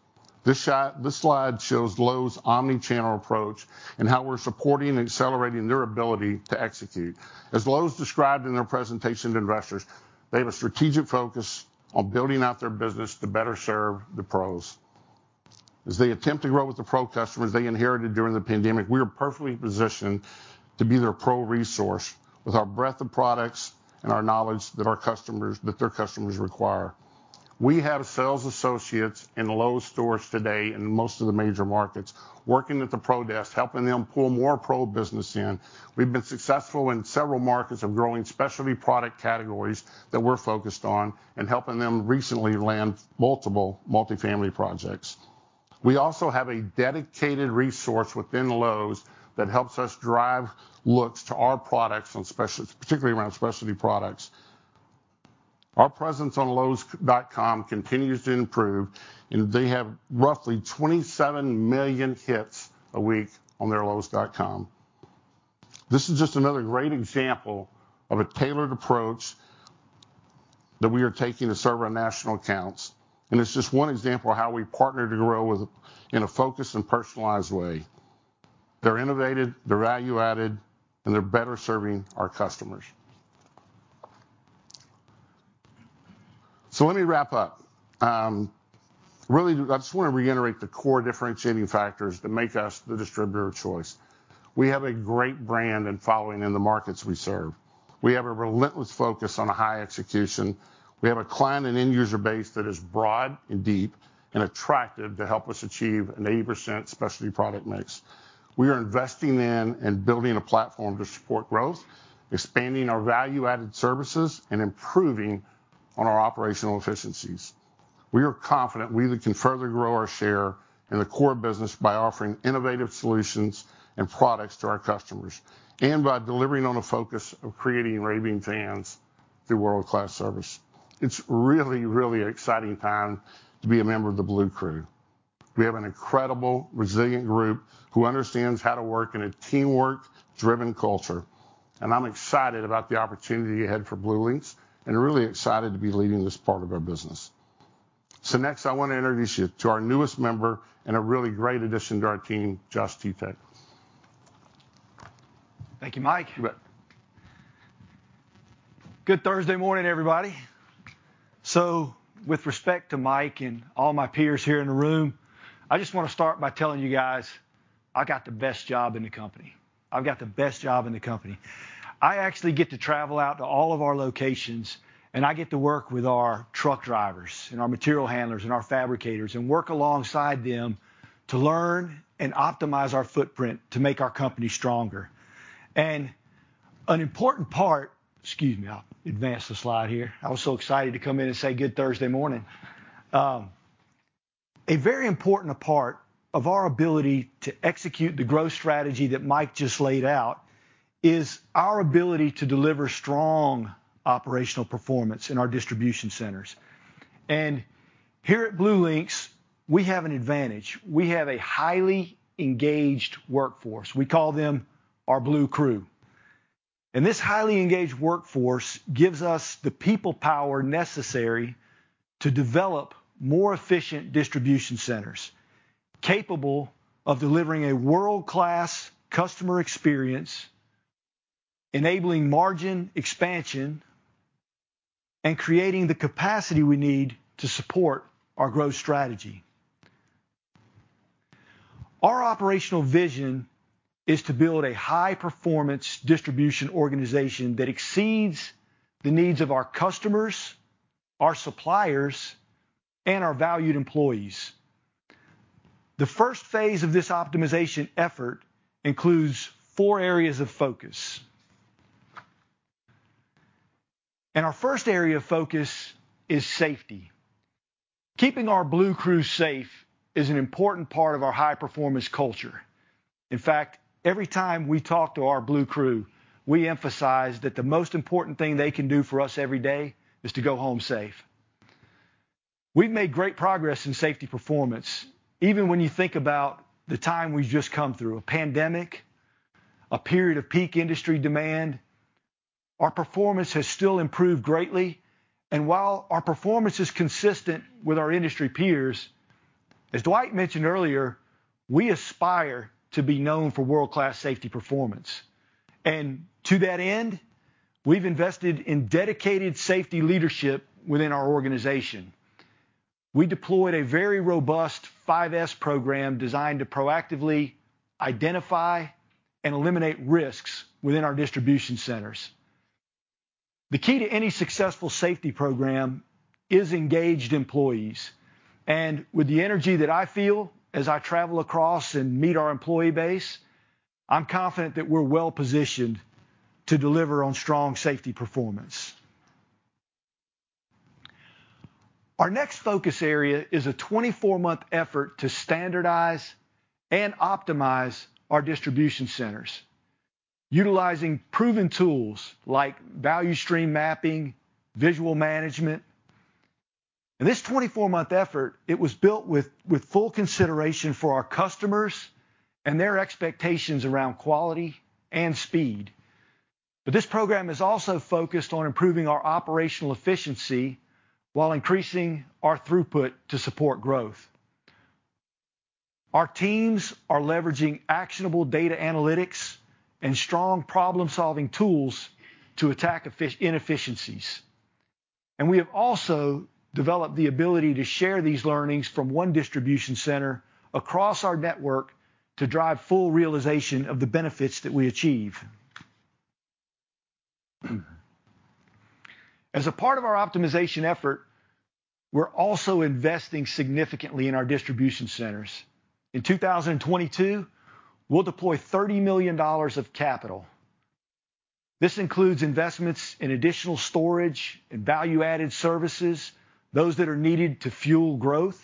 This slide shows Lowe's omnichannel approach and how we're supporting and accelerating their ability to execute. As Lowe's described in their presentation to investors, they have a strategic focus on building out their business to better serve the pros. As they attempt to grow with the pro customers they inherited during the pandemic, we are perfectly positioned to be their pro resource with our breadth of products and our knowledge that their customers require. We have sales associates in Lowe's stores today in most of the major markets, working at the pro desk, helping them pull more pro business in. We've been successful in several markets of growing specialty product categories that we're focused on and helping them recently land multiple multifamily projects. We also have a dedicated resource within Lowe's that helps us drive looks to our products, and particularly around specialty products. Our presence on Lowes.com continues to improve, and they have roughly 27 million hits a week on their Lowes.com. This is just another great example of a tailored approach that we are taking to serve our national accounts, and it's just one example of how we partner to grow with, in a focused and personalized way. They're innovative, they're value-added, and they're better serving our customers. Let me wrap up. Really, I just wanna reiterate the core differentiating factors that make us the distributor of choice. We have a great brand and following in the markets we serve. We have a relentless focus on high execution. We have a client and end user base that is broad and deep and attractive to help us achieve an 80% specialty product mix. We are investing in and building a platform to support growth, expanding our value-added services, and improving on our operational efficiencies. We are confident we can further grow our share in the core business by offering innovative solutions and products to our customers and by delivering on a focus of creating raving fans through world-class service. It's really, really exciting time to be a member of the Blue Crew. We have an incredible, resilient group who understands how to work in a teamwork-driven culture. I'm excited about the opportunity ahead for BlueLinx and really excited to be leading this part of our business. Next, I wanna introduce you to our newest member and a really great addition to our team, Josh Teteak. Thank you, Mike. You bet. Good Thursday morning, everybody. With respect to Mike and all my peers here in the room, I just wanna start by telling you guys I got the best job in the company. I've got the best job in the company. I actually get to travel out to all of our locations, and I get to work with our truck drivers and our material handlers and our fabricators, and work alongside them to learn and optimize our footprint to make our company stronger. Excuse me, I'll advance the slide here. I was so excited to come in and say good Thursday morning. A very important part of our ability to execute the growth strategy that Mike just laid out is our ability to deliver strong operational performance in our distribution centers. Here at BlueLinx, we have an advantage. We have a highly engaged workforce. We call them our Blue Crew. This highly engaged workforce gives us the people power necessary to develop more efficient distribution centers capable of delivering a world-class customer experience, enabling margin expansion, and creating the capacity we need to support our growth strategy. Our operational vision is to build a high-performance distribution organization that exceeds the needs of our customers, our suppliers, and our valued employees. The first phase of this optimization effort includes four areas of focus. Our first area of focus is safety. Keeping our Blue Crew safe is an important part of our high-performance culture. In fact, every time we talk to our Blue Crew, we emphasize that the most important thing they can do for us every day is to go home safe. We've made great progress in safety performance. Even when you think about the time we've just come through, a pandemic, a period of peak industry demand, our performance has still improved greatly. While our performance is consistent with our industry peers, as Dwight mentioned earlier, we aspire to be known for world-class safety performance. To that end, we've invested in dedicated safety leadership within our organization. We deployed a very robust 5S program designed to proactively identify and eliminate risks within our distribution centers. The key to any successful safety program is engaged employees. With the energy that I feel as I travel across and meet our employee base, I'm confident that we're well-positioned to deliver on strong safety performance. Our next focus area is a 24-month effort to standardize and optimize our distribution centers utilizing proven tools like value stream mapping, visual management. This 24-month effort, it was built with full consideration for our customers and their expectations around quality and speed. This program is also focused on improving our operational efficiency while increasing our throughput to support growth. Our teams are leveraging actionable data analytics and strong problem-solving tools to attack inefficiencies. We have also developed the ability to share these learnings from one distribution center across our network to drive full realization of the benefits that we achieve. As a part of our optimization effort, we're also investing significantly in our distribution centers. In 2022, we'll deploy $30 million of capital. This includes investments in additional storage and value-added services, those that are needed to fuel growth.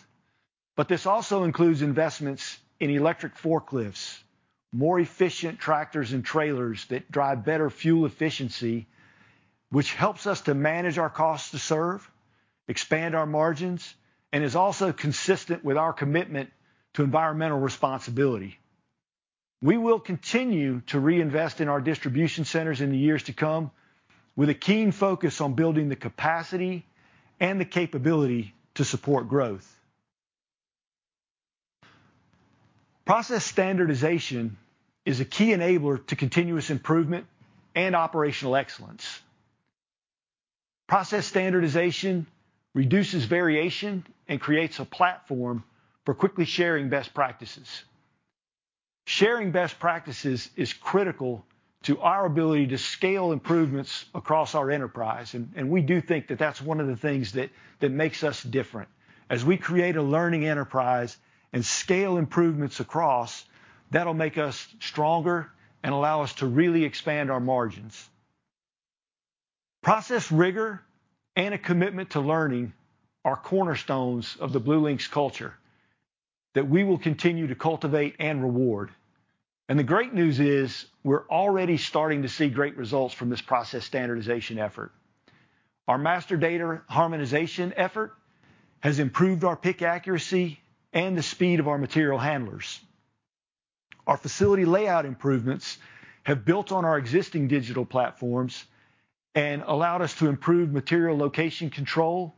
This also includes investments in electric forklifts, more efficient tractors and trailers that drive better fuel efficiency, which helps us to manage our cost to serve, expand our margins, and is also consistent with our commitment to environmental responsibility. We will continue to reinvest in our distribution centers in the years to come with a keen focus on building the capacity and the capability to support growth. Process standardization is a key enabler to continuous improvement and operational excellence. Process standardization reduces variation and creates a platform for quickly sharing best practices. Sharing best practices is critical to our ability to scale improvements across our enterprise, and we do think that that's one of the things that makes us different. As we create a learning enterprise and scale improvements across, that'll make us stronger and allow us to really expand our margins. Process rigor and a commitment to learning are cornerstones of the BlueLinx culture that we will continue to cultivate and reward. The great news is we're already starting to see great results from this process standardization effort. Our master data harmonization effort has improved our pick accuracy and the speed of our material handlers. Our facility layout improvements have built on our existing digital platforms and allowed us to improve material location control,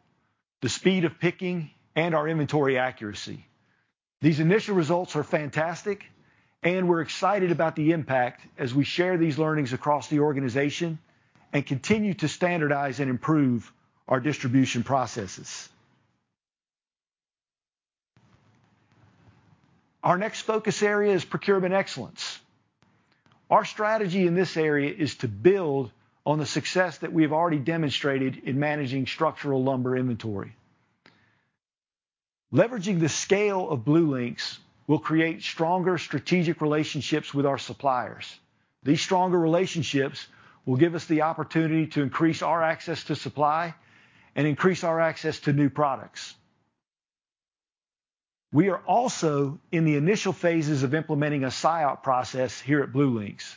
the speed of picking, and our inventory accuracy. These initial results are fantastic, and we're excited about the impact as we share these learnings across the organization and continue to standardize and improve our distribution processes. Our next focus area is procurement excellence. Our strategy in this area is to build on the success that we've already demonstrated in managing structural lumber inventory. Leveraging the scale of BlueLinx will create stronger strategic relationships with our suppliers. These stronger relationships will give us the opportunity to increase our access to supply and increase our access to new products. We are also in the initial phases of implementing a SIOP process here at BlueLinx.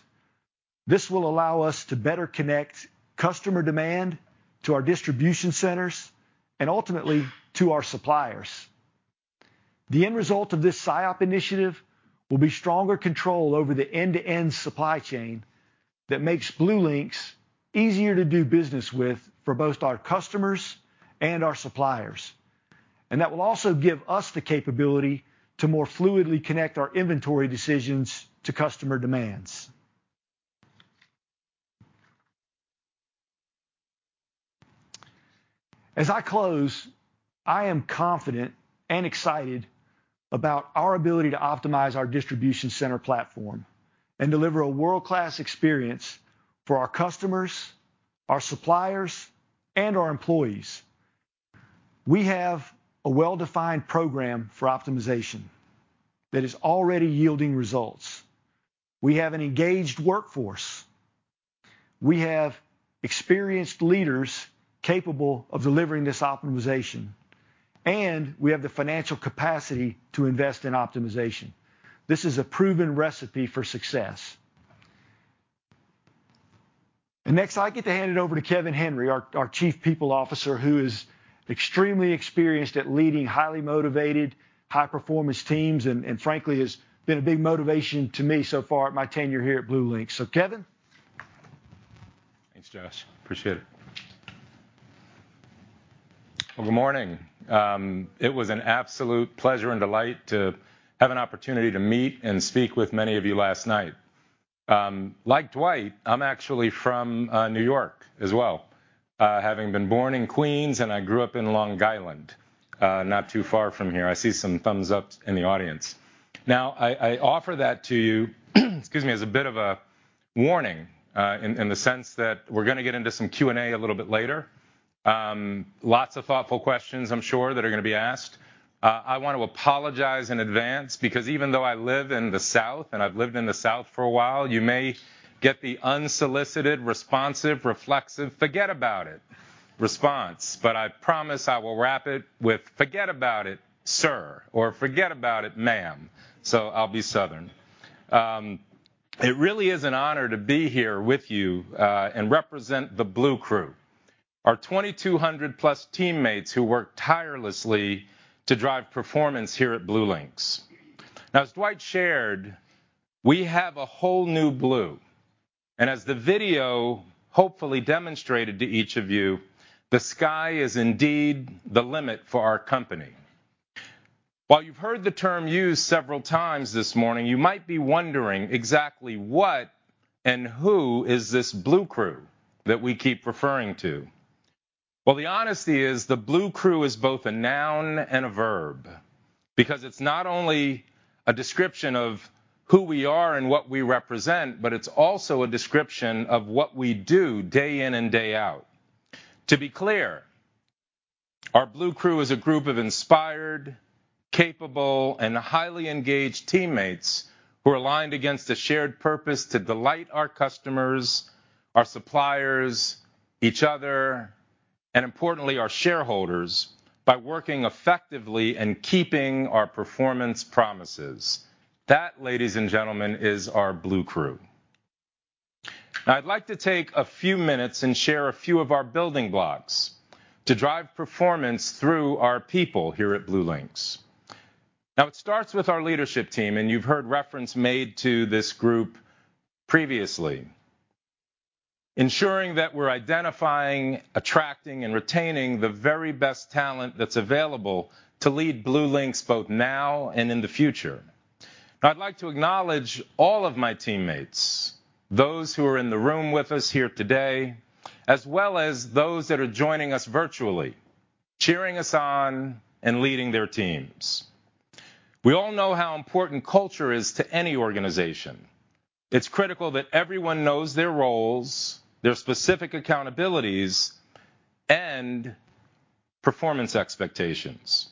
This will allow us to better connect customer demand to our distribution centers and ultimately to our suppliers. The end result of this SIOP initiative will be stronger control over the end-to-end supply chain that makes BlueLinx easier to do business with for both our customers and our suppliers, and that will also give us the capability to more fluidly connect our inventory decisions to customer demands. As I close, I am confident and excited about our ability to optimize our distribution center platform and deliver a world-class experience for our customers, our suppliers, and our employees. We have a well-defined program for optimization that is already yielding results. We have an engaged workforce. We have experienced leaders capable of delivering this optimization, and we have the financial capacity to invest in optimization. This is a proven recipe for success. Next, I get to hand it over to Kevin Henry, our Chief People Officer, who is extremely experienced at leading highly motivated, high-performance teams and frankly has been a big motivation to me so far in my tenure here at BlueLinx. Kevin. Thanks, Josh. Appreciate it. Good morning. It was an absolute pleasure and delight to have an opportunity to meet and speak with many of you last night. Like Dwight, I'm actually from New York as well, having been born in Queens, and I grew up in Long Island, not too far from here. I see some thumbs up in the audience. Now, I offer that to you, excuse me, as a bit of a warning, in the sense that we're gonna get into some Q&A a little bit later. Lots of thoughtful questions I'm sure that are gonna be asked. I wanna apologize in advance because even though I live in the South, and I've lived in the South for a while, you may get the unsolicited, responsive, reflexive, "Forget about it," response, but I promise I will wrap it with, "Forget about it, sir," or, "Forget about it, ma'am." So I'll be Southern. It really is an honor to be here with you, and represent the Blue Crew, our 2,200+ teammates who work tirelessly to drive performance here at BlueLinx. Now, as Dwight shared, we have A Whole New Blue, and as the video hopefully demonstrated to each of you, the sky is indeed the limit for our company. While you've heard the term used several times this morning, you might be wondering exactly what and who is this Blue Crew that we keep referring to. Well, the honesty is the Blue Crew is both a noun and a verb because it's not only a description of who we are and what we represent, but it's also a description of what we do day in and day out. To be clear, our Blue Crew is a group of inspired, capable, and highly engaged teammates who are aligned against a shared purpose to delight our customers, our suppliers, each other, and importantly, our shareholders, by working effectively and keeping our performance promises. That, ladies and gentlemen, is our Blue Crew. Now, I'd like to take a few minutes and share a few of our building blocks to drive performance through our people here at BlueLinx. Now, it starts with our leadership team, and you've heard reference made to this group previously. Ensuring that we're identifying, attracting, and retaining the very best talent that's available to lead BlueLinx both now and in the future. Now, I'd like to acknowledge all of my teammates, those who are in the room with us here today, as well as those that are joining us virtually, cheering us on and leading their teams. We all know how important culture is to any organization. It's critical that everyone knows their roles, their specific accountabilities, and performance expectations.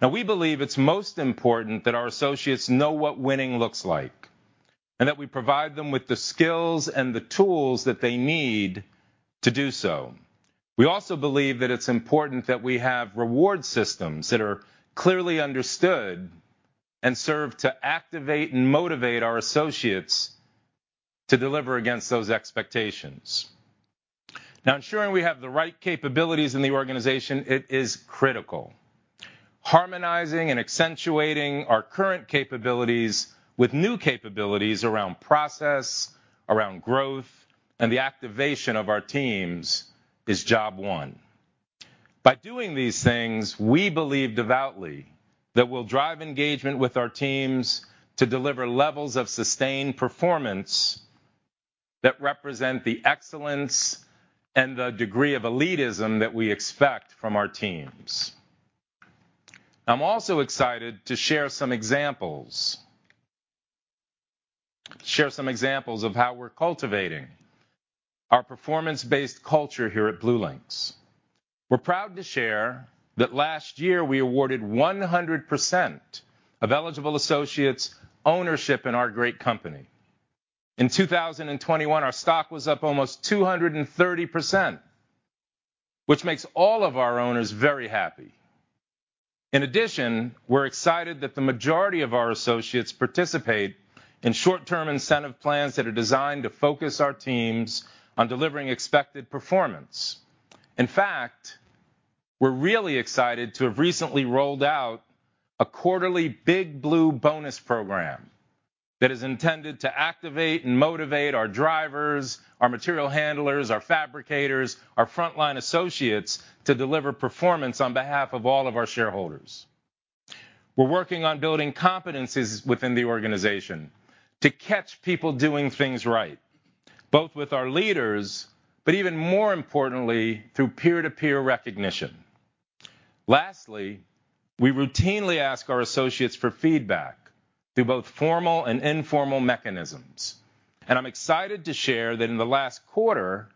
Now, we believe it's most important that our associates know what winning looks like and that we provide them with the skills and the tools that they need to do so. We also believe that it's important that we have reward systems that are clearly understood and serve to activate and motivate our associates to deliver against those expectations. Now, ensuring we have the right capabilities in the organization, it is critical. Harmonizing and accentuating our current capabilities with new capabilities around process, around growth, and the activation of our teams is job one. By doing these things, we believe devoutly that we'll drive engagement with our teams to deliver levels of sustained performance that represent the excellence and the degree of elitism that we expect from our teams. I'm also excited to share some examples of how we're cultivating our performance-based culture here at BlueLinx. We're proud to share that last year we awarded 100% of eligible associates ownership in our great company. In 2021, our stock was up almost 230%, which makes all of our owners very happy. In addition, we're excited that the majority of our associates participate in short-term incentive plans that are designed to focus our teams on delivering expected performance. In fact, we're really excited to have recently rolled out a quarterly Big Blue bonus program that is intended to activate and motivate our drivers, our material handlers, our fabricators, our frontline associates to deliver performance on behalf of all of our shareholders. We're working on building competencies within the organization to catch people doing things right, both with our leaders, but even more importantly, through peer-to-peer recognition. Lastly, we routinely ask our associates for feedback through both formal and informal mechanisms, and I'm excited to share that in the last quarter,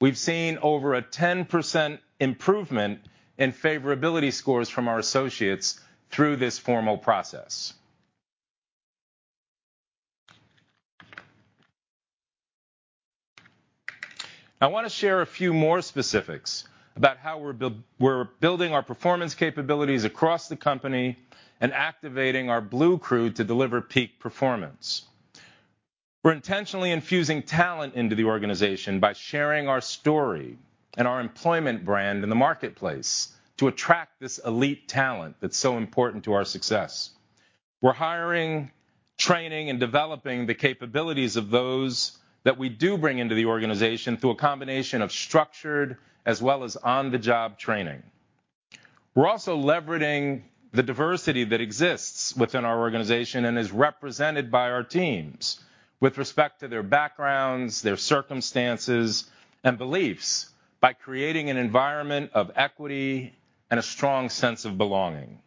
we've seen over a 10% improvement in favorability scores from our associates through this formal process. I want to share a few more specifics about how we're building our performance capabilities across the company and activating our Blue Crew to deliver peak performance. We're intentionally infusing talent into the organization by sharing our story and our employment brand in the marketplace to attract this elite talent that's so important to our success. We're hiring, training, and developing the capabilities of those that we do bring into the organization through a combination of structured as well as on-the-job training. We're also leveraging the diversity that exists within our organization and is represented by our teams with respect to their backgrounds, their circumstances, and beliefs by creating an environment of equity and a strong sense of belonging.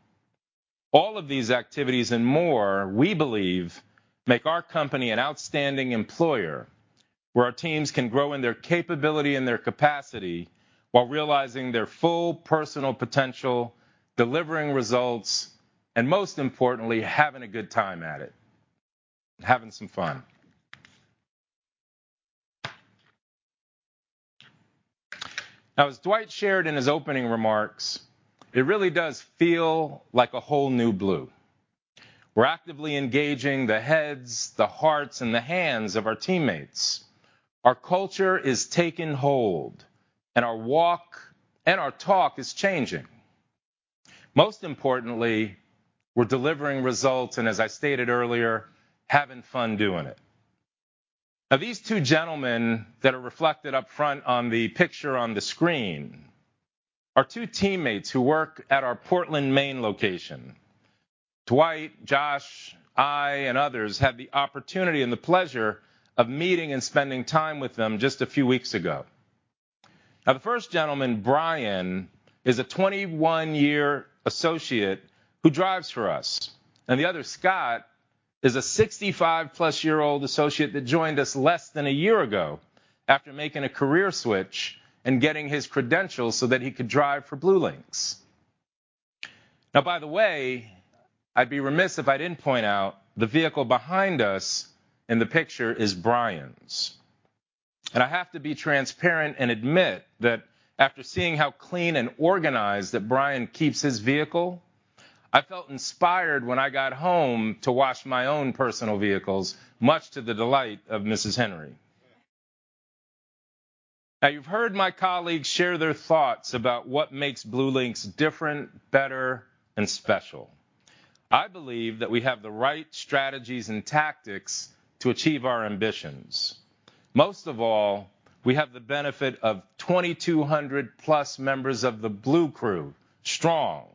All of these activities and more, we believe, make our company an outstanding employer, where our teams can grow in their capability and their capacity while realizing their full personal potential, delivering results, and most importantly, having a good time at it, and having some fun. Now, as Dwight shared in his opening remarks, it really does feel like A Whole New Blue. We're actively engaging the heads, the hearts, and the hands of our teammates. Our culture is taking hold and our walk and our talk is changing. Most importantly, we're delivering results and, as I stated earlier, having fun doing it. Now, these two gentlemen that are reflected up front on the picture on the screen are two teammates who work at our Portland, Maine location. Dwight, Josh, I, and others had the opportunity and the pleasure of meeting and spending time with them just a few weeks ago. Now, the first gentleman, Brian, is a 21-year associate who drives for us, and the other, Scott, is a 65+-year-old associate that joined us less than a year ago after making a career switch and getting his credentials so that he could drive for BlueLinx. Now, by the way, I'd be remiss if I didn't point out the vehicle behind us in the picture is Brian's. I have to be transparent and admit that after seeing how clean and organized that Brian keeps his vehicle, I felt inspired when I got home to wash my own personal vehicles, much to the delight of Mrs. Henry. Now, you've heard my colleagues share their thoughts about what makes BlueLinx different, better, and special. I believe that we have the right strategies and tactics to achieve our ambitions. Most of all, we have the benefit of 2,200+ members of the Blue Crew, strong.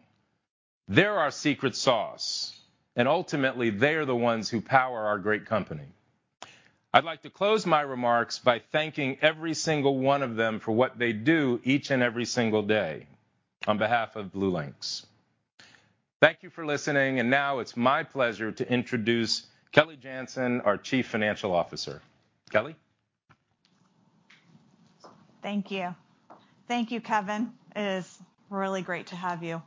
They're our secret sauce, and ultimately, they are the ones who power our great company. I'd like to close my remarks by thanking every single one of them for what they do each and every single day on behalf of BlueLinx. Thank you for listening. Now it's my pleasure to introduce Kelly Janzen, our Chief Financial Officer. Kelly. Thank you. Thank you, Kevin. It is really great to have you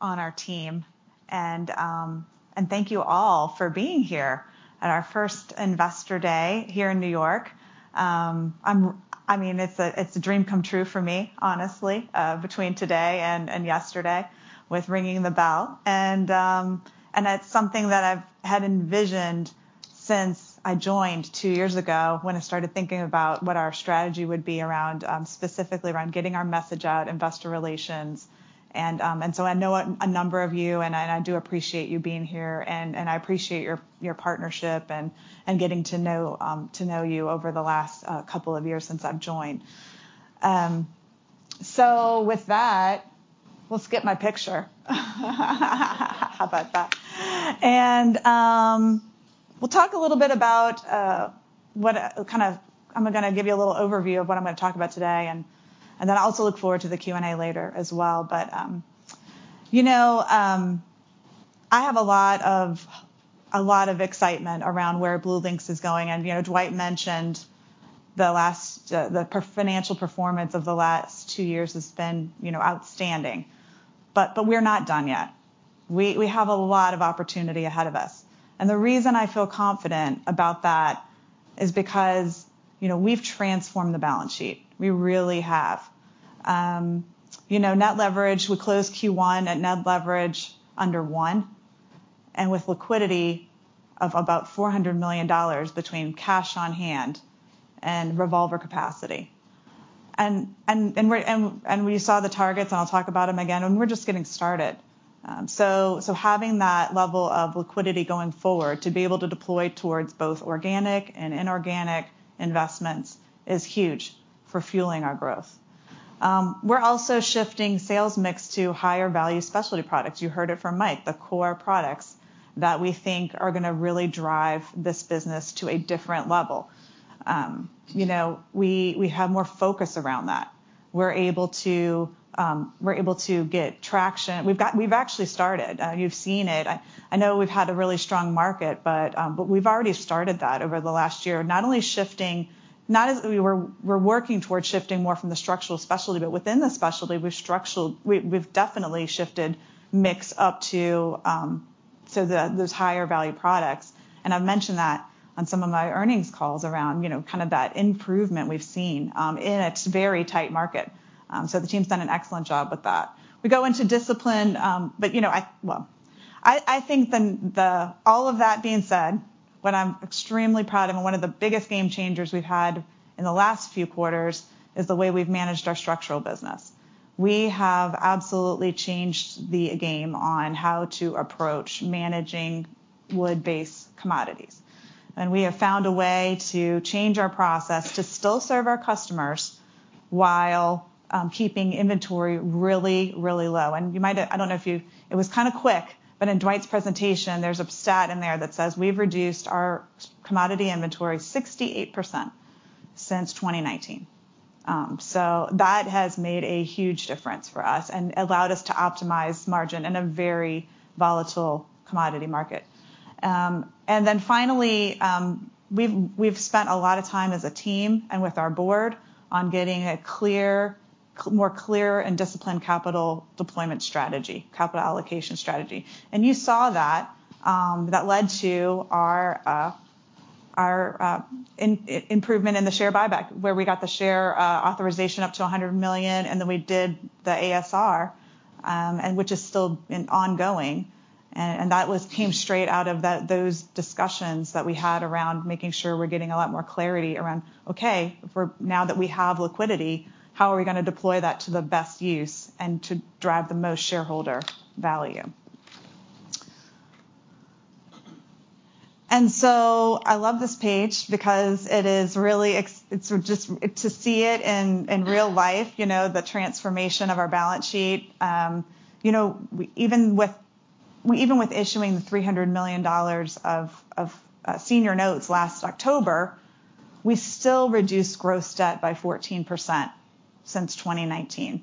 on our team and thank you all for being here at our first Investor Day here in New York. I mean, it's a dream come true for me, honestly, between today and yesterday with ringing the bell. It's something that I've had envisioned since I joined two years ago when I started thinking about what our strategy would be around, specifically around getting our message out, investor relations. I know a number of you, and I do appreciate you being here, and I appreciate your partnership and getting to know you over the last couple of years since I've joined. With that, we'll skip my picture. How about that? We'll talk a little bit about what I'm gonna give you a little overview of what I'm gonna talk about today, and then I also look forward to the Q&A later as well. You know, I have a lot of excitement around where BlueLinx is going. You know, Dwight mentioned the financial performance of the last two years has been, you know, outstanding, but we're not done yet. We have a lot of opportunity ahead of us. The reason I feel confident about that is because, you know, we've transformed the balance sheet. We really have. You know, net leverage, we closed Q1 at net leverage under one, and with liquidity of about $400 million between cash on hand and revolver capacity. We saw the targets, and I'll talk about them again, and we're just getting started. Having that level of liquidity going forward to be able to deploy towards both organic and inorganic investments is huge for fueling our growth. We're also shifting sales mix to higher value specialty products. You heard it from Mike, the core products that we think are gonna really drive this business to a different level. You know, we have more focus around that. We're able to get traction. We've actually started. You've seen it. I know we've had a really strong market, but we've already started that over the last year. Not only shifting, we're working towards shifting more from the structural specialty, but within the specialty, we've definitely shifted mix up to those higher value products. I've mentioned that on some of my earnings calls around you know kind of that improvement we've seen in a very tight market. The team's done an excellent job with that. We go into discipline. All of that being said, what I'm extremely proud of and one of the biggest game changers we've had in the last few quarters is the way we've managed our structural business. We have absolutely changed the game on how to approach managing wood-based commodities. We have found a way to change our process to still serve our customers while keeping inventory really, really low. It was kind of quick, but in Dwight's presentation, there's a stat in there that says we've reduced our commodity inventory 68% since 2019. So that has made a huge difference for us and allowed us to optimize margin in a very volatile commodity market. Finally, we've spent a lot of time as a team and with our board on getting a clear, more clear and disciplined capital deployment strategy, capital allocation strategy. You saw that led to our improvement in the share buyback, where we got the share authorization up to $100 million, and then we did the ASR, which is still ongoing. That was. came straight out of that, those discussions that we had around making sure we're getting a lot more clarity around, okay, for now that we have liquidity, how are we gonna deploy that to the best use and to drive the most shareholder value? I love this page because it is really. It's just to see it in real life, you know, the transformation of our balance sheet. Even with issuing the $300 million of senior notes last October, we still reduced gross debt by 14% since 2019.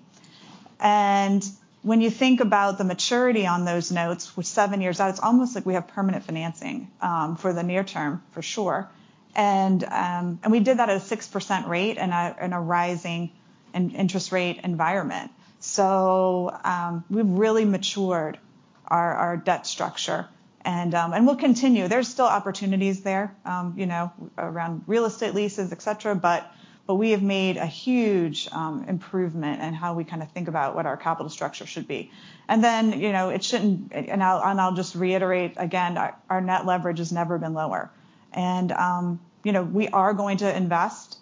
When you think about the maturity on those notes, with seven years out, it's almost like we have permanent financing for the near term, for sure. We did that at a 6% rate in a rising interest rate environment. We've really matured our debt structure. We'll continue. There's still opportunities there, you know, around real estate leases, et cetera, but we have made a huge improvement in how we kinda think about what our capital structure should be. I'll just reiterate again, our net leverage has never been lower. You know, we are going to invest.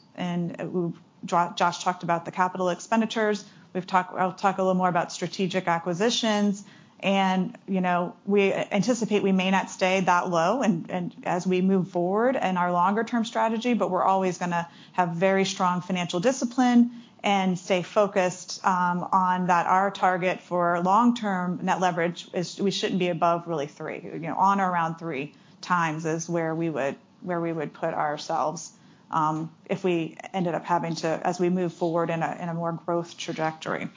Josh talked about the capital expenditures. I'll talk a little more about strategic acquisitions. You know, we anticipate we may not stay that low and as we move forward in our longer term strategy, but we're always gonna have very strong financial discipline and stay focused on that. Our target for long-term net leverage is we shouldn't be above really three. You know, on or around three times is where we would put ourselves if we ended up having to as we move forward in a more growth trajectory.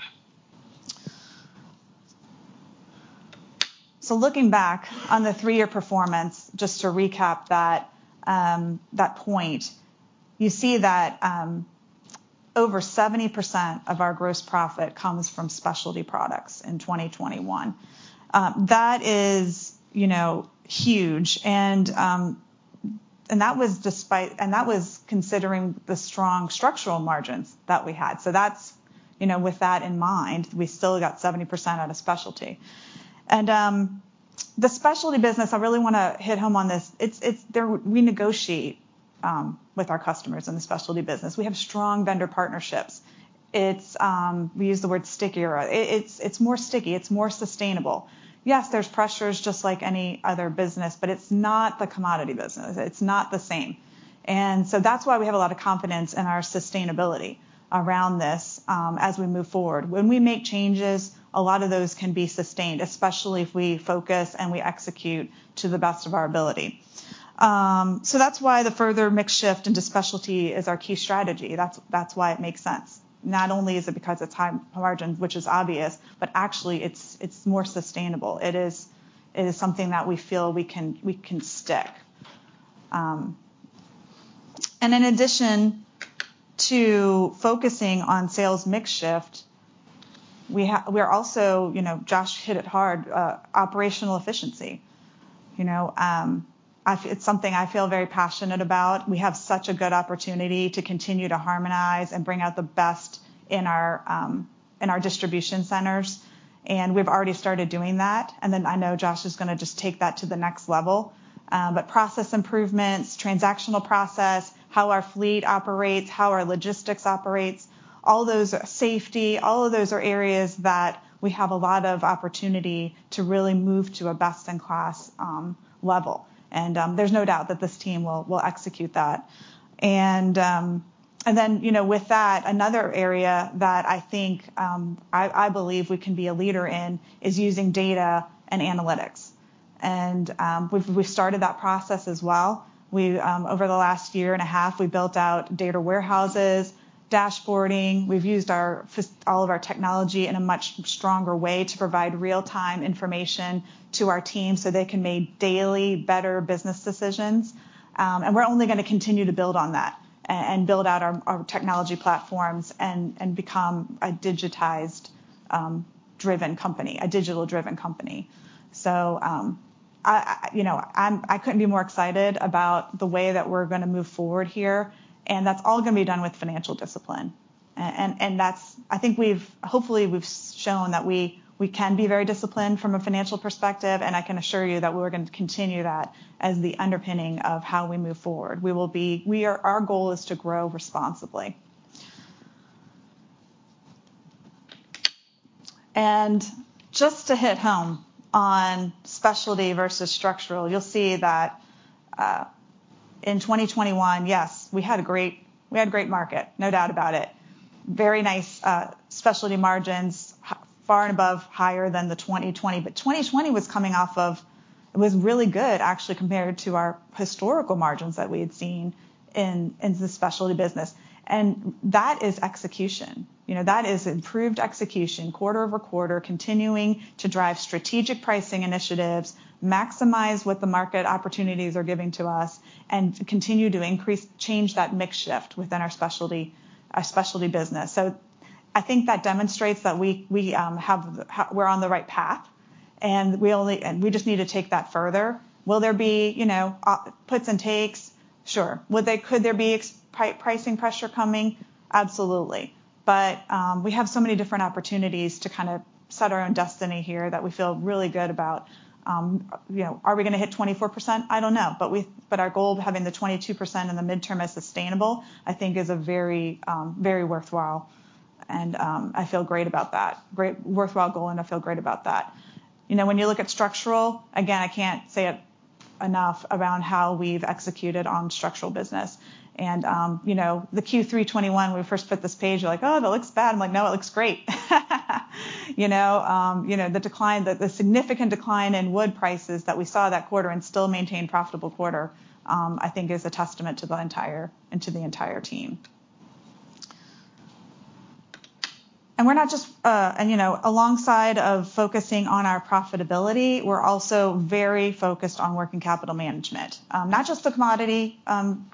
Looking back on the three-year performance, just to recap that point, you see that over 70% of our gross profit comes from specialty products in 2021. That is, you know, huge, and that was despite and that was considering the strong structural margins that we had. That's, you know, with that in mind, we still got 70% out of specialty. The specialty business, I really wanna hit home on this. It's. We negotiate with our customers in the specialty business. We have strong vendor partnerships. It's. We use the word stickier. It's more sticky. It's more sustainable. Yes, there's pressures just like any other business, but it's not the commodity business. It's not the same. That's why we have a lot of confidence in our sustainability around this, as we move forward. When we make changes, a lot of those can be sustained, especially if we focus and we execute to the best of our ability. That's why the further mix shift into specialty is our key strategy. That's why it makes sense. Not only is it because of high margins, which is obvious, but actually it's more sustainable. It is something that we feel we can stick. In addition to focusing on sales mix shift, we're also, you know, Josh hit it hard, operational efficiency. You know, it's something I feel very passionate about. We have such a good opportunity to continue to harmonize and bring out the best in our distribution centers, and we've already started doing that. I know Josh is gonna just take that to the next level. Process improvements, transactional process, how our fleet operates, how our logistics operates, all those safety, all of those are areas that we have a lot of opportunity to really move to a best-in-class level. There's no doubt that this team will execute that. You know, with that, another area that I think I believe we can be a leader in is using data and analytics. We've started that process as well. We, over the last year and a half, we built out data warehouses, dashboarding. We've used all of our technology in a much stronger way to provide real-time information to our team so they can make daily better business decisions. We're only gonna continue to build on that and build out our technology platforms and become a digitized driven company, a digital-driven company. You know, I couldn't be more excited about the way that we're gonna move forward here, and that's all gonna be done with financial discipline. I think we've hopefully shown that we can be very disciplined from a financial perspective, and I can assure you that we're going to continue that as the underpinning of how we move forward. Our goal is to grow responsibly. Just to hit home on specialty versus structural, you'll see that in 2021, yes, we had a great market. No doubt about it. Very nice specialty margins far and above higher than the 2020. But 2020 was coming off of it was really good, actually, compared to our historical margins that we had seen in the specialty business. That is execution. You know, that is improved execution, quarter-over-quarter, continuing to drive strategic pricing initiatives, maximize what the market opportunities are giving to us, and continue to change that mix shift within our specialty business. I think that demonstrates that we're on the right path, and we just need to take that further. Will there be puts and takes? Sure. Could there be pricing pressure coming? Absolutely. We have so many different opportunities to kind of set our own destiny here that we feel really good about, you know. Are we gonna hit 24%? I don't know. Our goal of having the 22% in the midterm as sustainable, I think is a very worthwhile goal, and I feel great about that. You know, when you look at structural, again, I can't say it enough around how we've executed on structural business. You know, the Q3 2021, when we first put this page, you're like, "Oh, that looks bad." I'm like, "No, it looks great." You know, the significant decline in wood prices that we saw that quarter and still maintained profitable quarter, I think is a testament to the entire team. You know, alongside of focusing on our profitability, we're also very focused on working capital management. Not just the commodity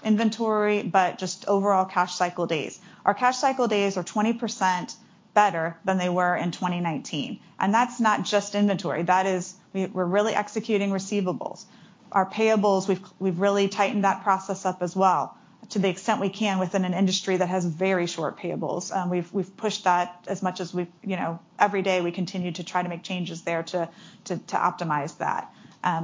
inventory, but just overall cash cycle days. Our cash cycle days are 20% better than they were in 2019, and that's not just inventory. That is we're really executing receivables. Our payables, we've really tightened that process up as well to the extent we can within an industry that has very short payables. We've pushed that as much as we've, you know. Every day we continue to try to make changes there to optimize that.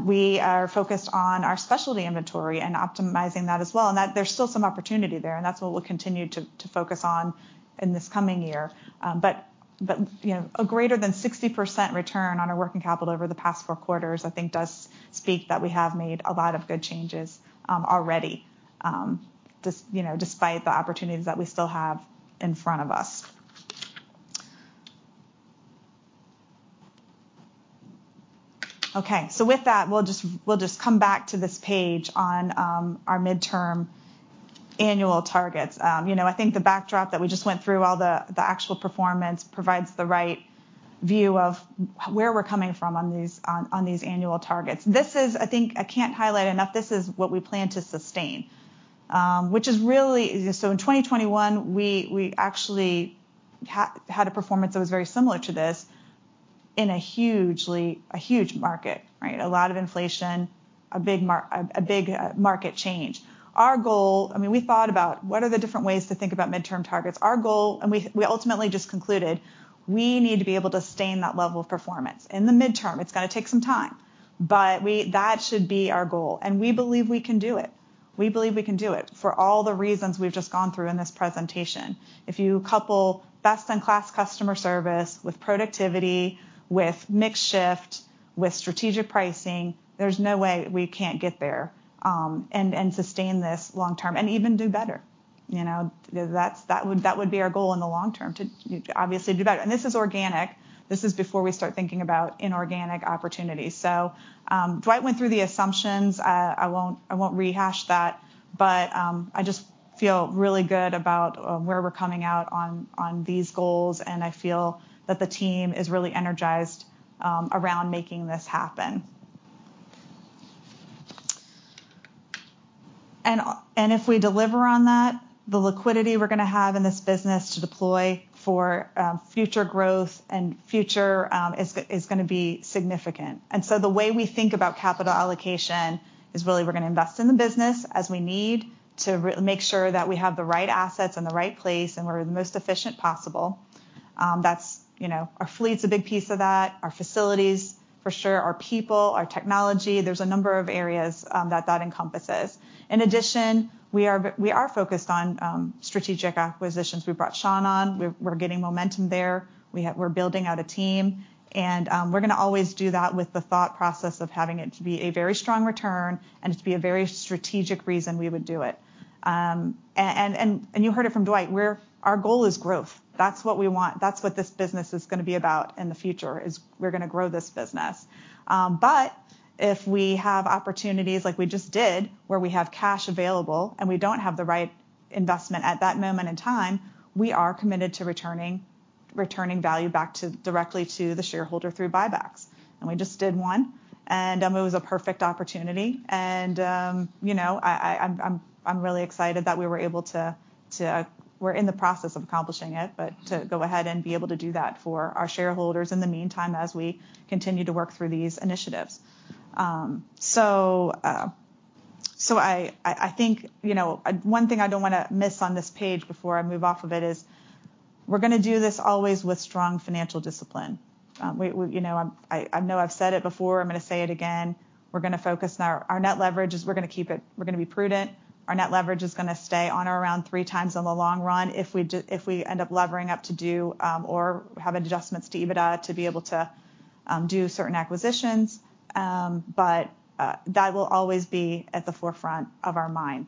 We are focused on our specialty inventory and optimizing that as well, and that there's still some opportunity there, and that's what we'll continue to focus on in this coming year. But, you know, a greater than 60% return on our working capital over the past four quarters, I think does speak that we have made a lot of good changes, already, despite the opportunities that we still have in front of us. Okay. With that, we'll just come back to this page on our midterm annual targets. You know, I think the backdrop that we just went through, all the actual performance provides the right view of where we're coming from on these annual targets. This is, I think. I can't highlight enough, this is what we plan to sustain. Which is really. In 2021, we actually had a performance that was very similar to this in a huge market, right? A lot of inflation, a big market change. I mean, we thought about what are the different ways to think about midterm targets? Our goal, and we ultimately just concluded we need to be able to sustain that level of performance. In the midterm, it's gonna take some time, but that should be our goal, and we believe we can do it. We believe we can do it for all the reasons we've just gone through in this presentation. If you couple best-in-class customer service with productivity, with mix shift, with strategic pricing, there's no way we can't get there, and sustain this long term and even do better. You know? That would be our goal in the long term to obviously do better. This is organic. This is before we start thinking about inorganic opportunities. Dwight went through the assumptions. I won't rehash that but, I just feel really good about where we're coming out on these goals, and I feel that the team is really energized around making this happen. If we deliver on that, the liquidity we're gonna have in this business to deploy for future growth and future is gonna be significant. The way we think about capital allocation is really we're gonna invest in the business as we need to make sure that we have the right assets in the right place and we're the most efficient possible. That's, you know, our fleet's a big piece of that, our facilities for sure, our people, our technology. There's a number of areas that encompasses. In addition, we are focused on strategic acquisitions. We brought Sean on. We're getting momentum there. We're building out a team and we're gonna always do that with the thought process of having it to be a very strong return and it to be a very strategic reason we would do it. You heard it from Dwight, our goal is growth. That's what we want. That's what this business is gonna be about in the future, is we're gonna grow this business. If we have opportunities like we just did, where we have cash available and we don't have the right investment at that moment in time, we are committed to returning value back to directly to the shareholder through buybacks, and we just did one. It was a perfect opportunity and I'm really excited that we were able to. We're in the process of accomplishing it, but to go ahead and be able to do that for our shareholders in the meantime as we continue to work through these initiatives. I think, you know, one thing I don't wanna miss on this page before I move off of it is we're gonna do this always with strong financial discipline. You know, I know I've said it before, I'm gonna say it again. We're gonna focus on our net leverage is we're gonna keep it. We're gonna be prudent. Our net leverage is gonna stay on or around 3x in the long run if we end up levering up to do or have adjustments to EBITDA to be able to do certain acquisitions. That will always be at the forefront of our mind.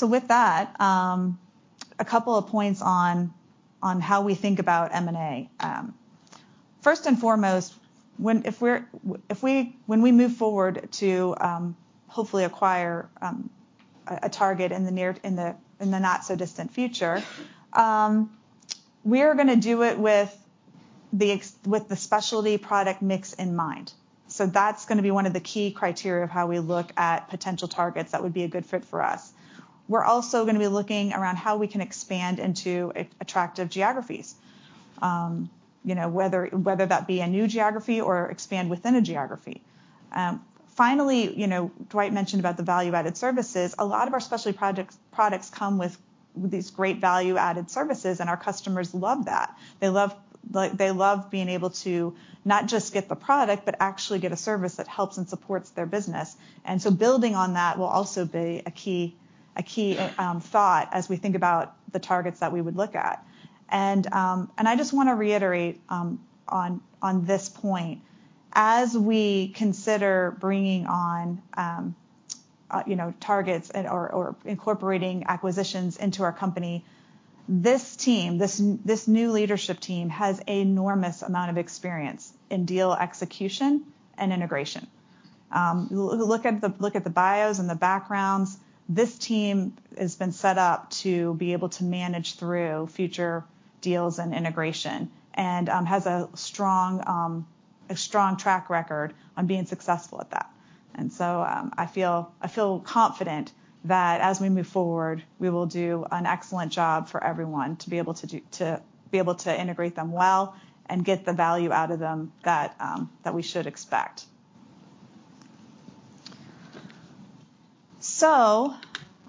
With that, a couple of points on how we think about M&A. First and foremost, when we move forward to hopefully acquire a target in the not-so-distant future, we are gonna do it with the specialty product mix in mind. That's gonna be one of the key criteria of how we look at potential targets that would be a good fit for us. We're also gonna be looking at how we can expand into attractive geographies, you know, whether that be a new geography or expand within a geography. Finally, you know, Dwight mentioned about the value-added services. A lot of our specialty products come with these great value-added services, and our customers love that. They love, like, being able to not just get the product but actually get a service that helps and supports their business. Building on that will also be a key thought as we think about the targets that we would look at. I just wanna reiterate on this point. As we consider bringing on, you know, targets and/or incorporating acquisitions into our company, this new leadership team has enormous amount of experience in deal execution and integration. Look at the bios and the backgrounds. This team has been set up to be able to manage through future deals and integration and has a strong track record on being successful at that. I feel confident that as we move forward, we will do an excellent job for everyone to be able to integrate them well and get the value out of them that we should expect.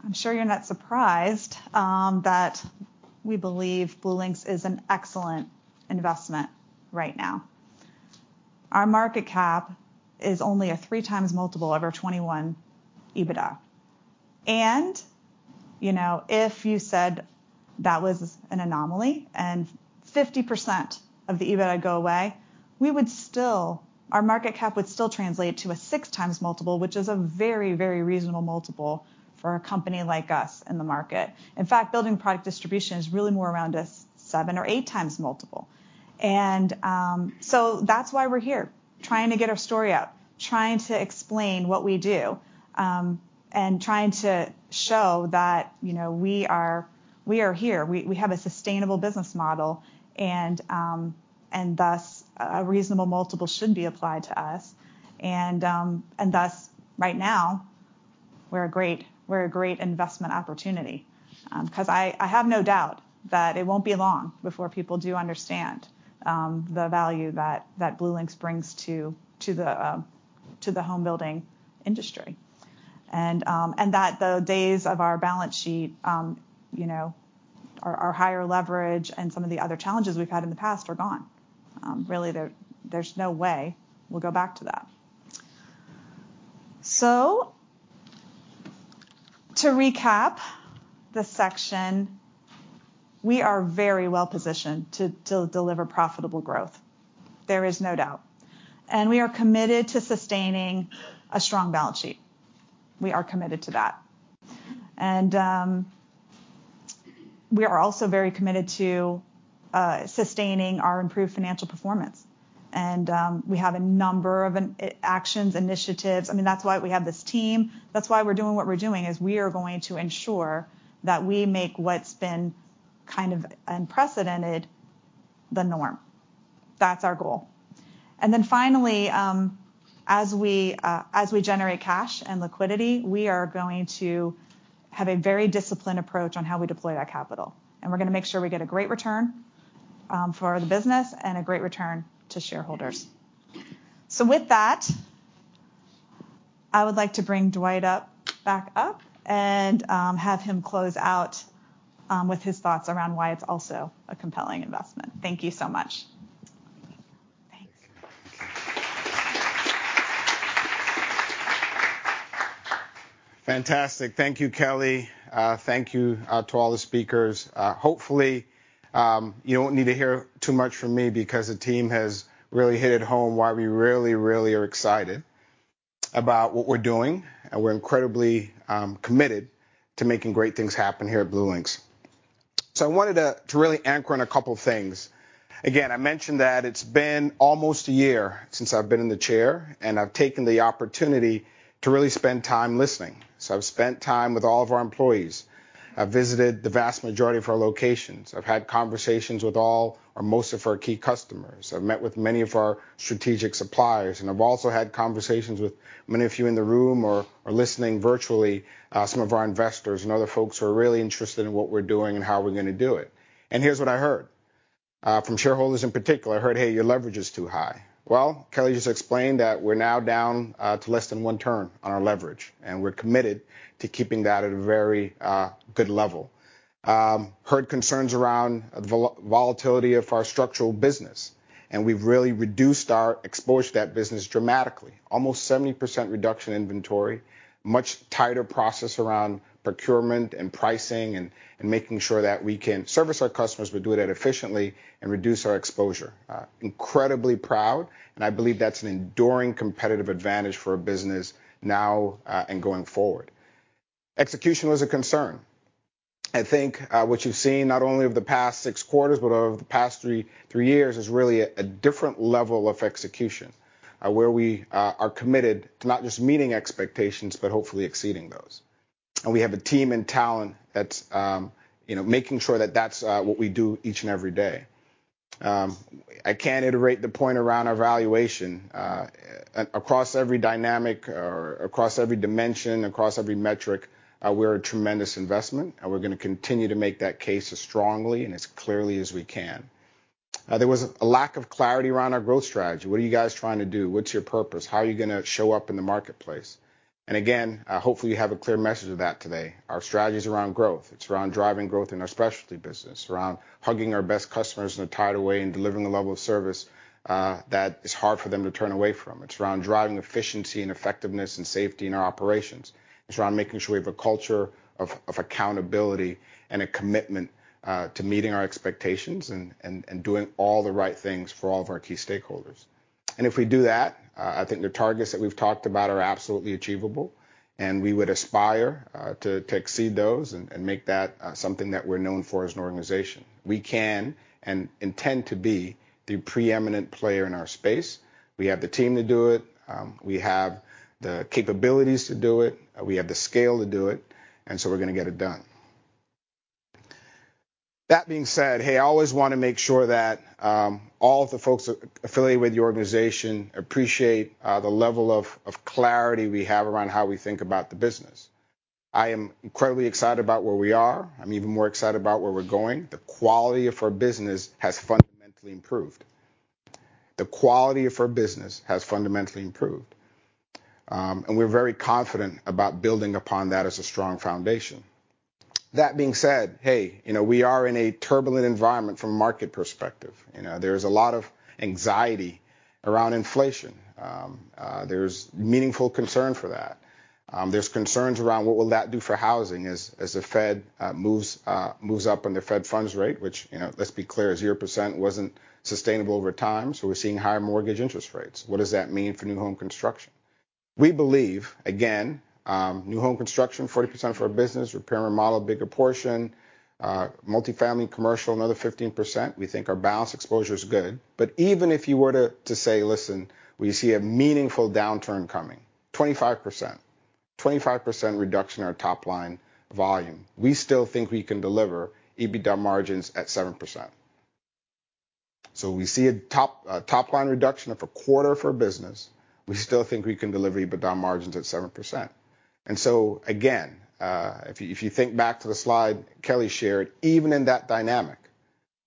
I'm sure you're not surprised that we believe BlueLinx is an excellent investment right now. Our market cap is only a 3x multiple of our 2021 EBITDA. You know, if you said that was an anomaly and 50% of the EBITDA go away, we would still. Our market cap would still translate to a 6x multiple, which is a very, very reasonable multiple for a company like us in the market. In fact, building product distribution is really more around a 7x or 8x multiple. That's why we're here, trying to get our story out, trying to explain what we do, and trying to show that, you know, we are here. We have a sustainable business model, and thus a reasonable multiple should be applied to us. Thus right now, we're a great investment opportunity. 'Cause I have no doubt that it won't be long before people do understand the value that BlueLinx brings to the home building industry. that the days of our balance sheet, you know, our higher leverage and some of the other challenges we've had in the past are gone. Really, there's no way we'll go back to that. To recap this section, we are very well-positioned to deliver profitable growth. There is no doubt. We are committed to sustaining a strong balance sheet. We are committed to that. We are also very committed to sustaining our improved financial performance. We have a number of actions, initiatives. I mean, that's why we have this team. That's why we're doing what we're doing, is we are going to ensure that we make what's been kind of unprecedented the norm. That's our goal. Finally, as we generate cash and liquidity, we are going to have a very disciplined approach on how we deploy that capital, and we're gonna make sure we get a great return for the business and a great return to shareholders. With that, I would like to bring Dwight up, back up and have him close out with his thoughts around why it's also a compelling investment. Thank you so much. Thanks. Fantastic. Thank you, Kelly. Thank you to all the speakers. Hopefully, you don't need to hear too much from me because the team has really hit it home why we really, really are excited about what we're doing, and we're incredibly committed to making great things happen here at BlueLinx. I wanted to really anchor on a couple of things. Again, I mentioned that it's been almost a year since I've been in the chair, and I've taken the opportunity to really spend time listening. I've spent time with all of our employees. I've visited the vast majority of our locations. I've had conversations with all or most of our key customers. I've met with many of our strategic suppliers, and I've also had conversations with many of you in the room or listening virtually, some of our investors and other folks who are really interested in what we're doing and how we're gonna do it. Here's what I heard. From shareholders in particular, I heard, "Hey, your leverage is too high." Well, Kelly just explained that we're now down to less than one turn on our leverage, and we're committed to keeping that at a very good level. Heard concerns around the volatility of our structural business, and we've really reduced our exposure to that business dramatically. Almost 70% reduction in inventory, much tighter process around procurement and pricing and making sure that we can service our customers, but do that efficiently and reduce our exposure. Incredibly proud, and I believe that's an enduring competitive advantage for our business now, and going forward. Execution was a concern. I think, what you've seen not only over the past six quarters but over the past three years, is really a different level of execution, where we are committed to not just meeting expectations but hopefully exceeding those. We have a team and talent that's, you know, making sure that that's what we do each and every day. I can't iterate the point around our valuation. Across every dynamic or across every dimension, across every metric, we're a tremendous investment, and we're gonna continue to make that case as strongly and as clearly as we can. There was a lack of clarity around our growth strategy. What are you guys trying to do? What's your purpose? How are you gonna show up in the marketplace? Again, hopefully you have a clear message of that today. Our strategy is around growth. It's around driving growth in our specialty business, around hugging our best customers in a tighter way and delivering the level of service that is hard for them to turn away from. It's around driving efficiency and effectiveness and safety in our operations. It's around making sure we have a culture of accountability and a commitment to meeting our expectations and doing all the right things for all of our key stakeholders. If we do that, I think the targets that we've talked about are absolutely achievable, and we would aspire to exceed those and make that something that we're known for as an organization. We can and intend to be the preeminent player in our space. We have the team to do it. We have the capabilities to do it. We have the scale to do it, and so we're gonna get it done. That being said, hey, I always wanna make sure that all of the folks affiliated with the organization appreciate the level of clarity we have around how we think about the business. I am incredibly excited about where we are. I'm even more excited about where we're going. The quality of our business has fundamentally improved. We're very confident about building upon that as a strong foundation. That being said, hey, you know, we are in a turbulent environment from a market perspective. You know, there's a lot of anxiety around inflation. There's meaningful concern for that. There's concerns around what will that do for housing as the Fed moves up on the Fed funds rate, which, you know, let's be clear, 0% wasn't sustainable over time, so we're seeing higher mortgage interest rates. What does that mean for new home construction? We believe, again, new home construction, 40% of our business, repair and remodel, bigger portion. Multifamily commercial, another 15%. We think our balanced exposure is good. But even if you were to say, "Listen, we see a meaningful downturn coming," 25%. 25% reduction in our top line volume. We still think we can deliver EBITDA margins at 7%. We see a top line reduction of a quarter of our business, we still think we can deliver EBITDA margins at 7%. Again, if you think back to the slide Kelly shared, even in that dynamic,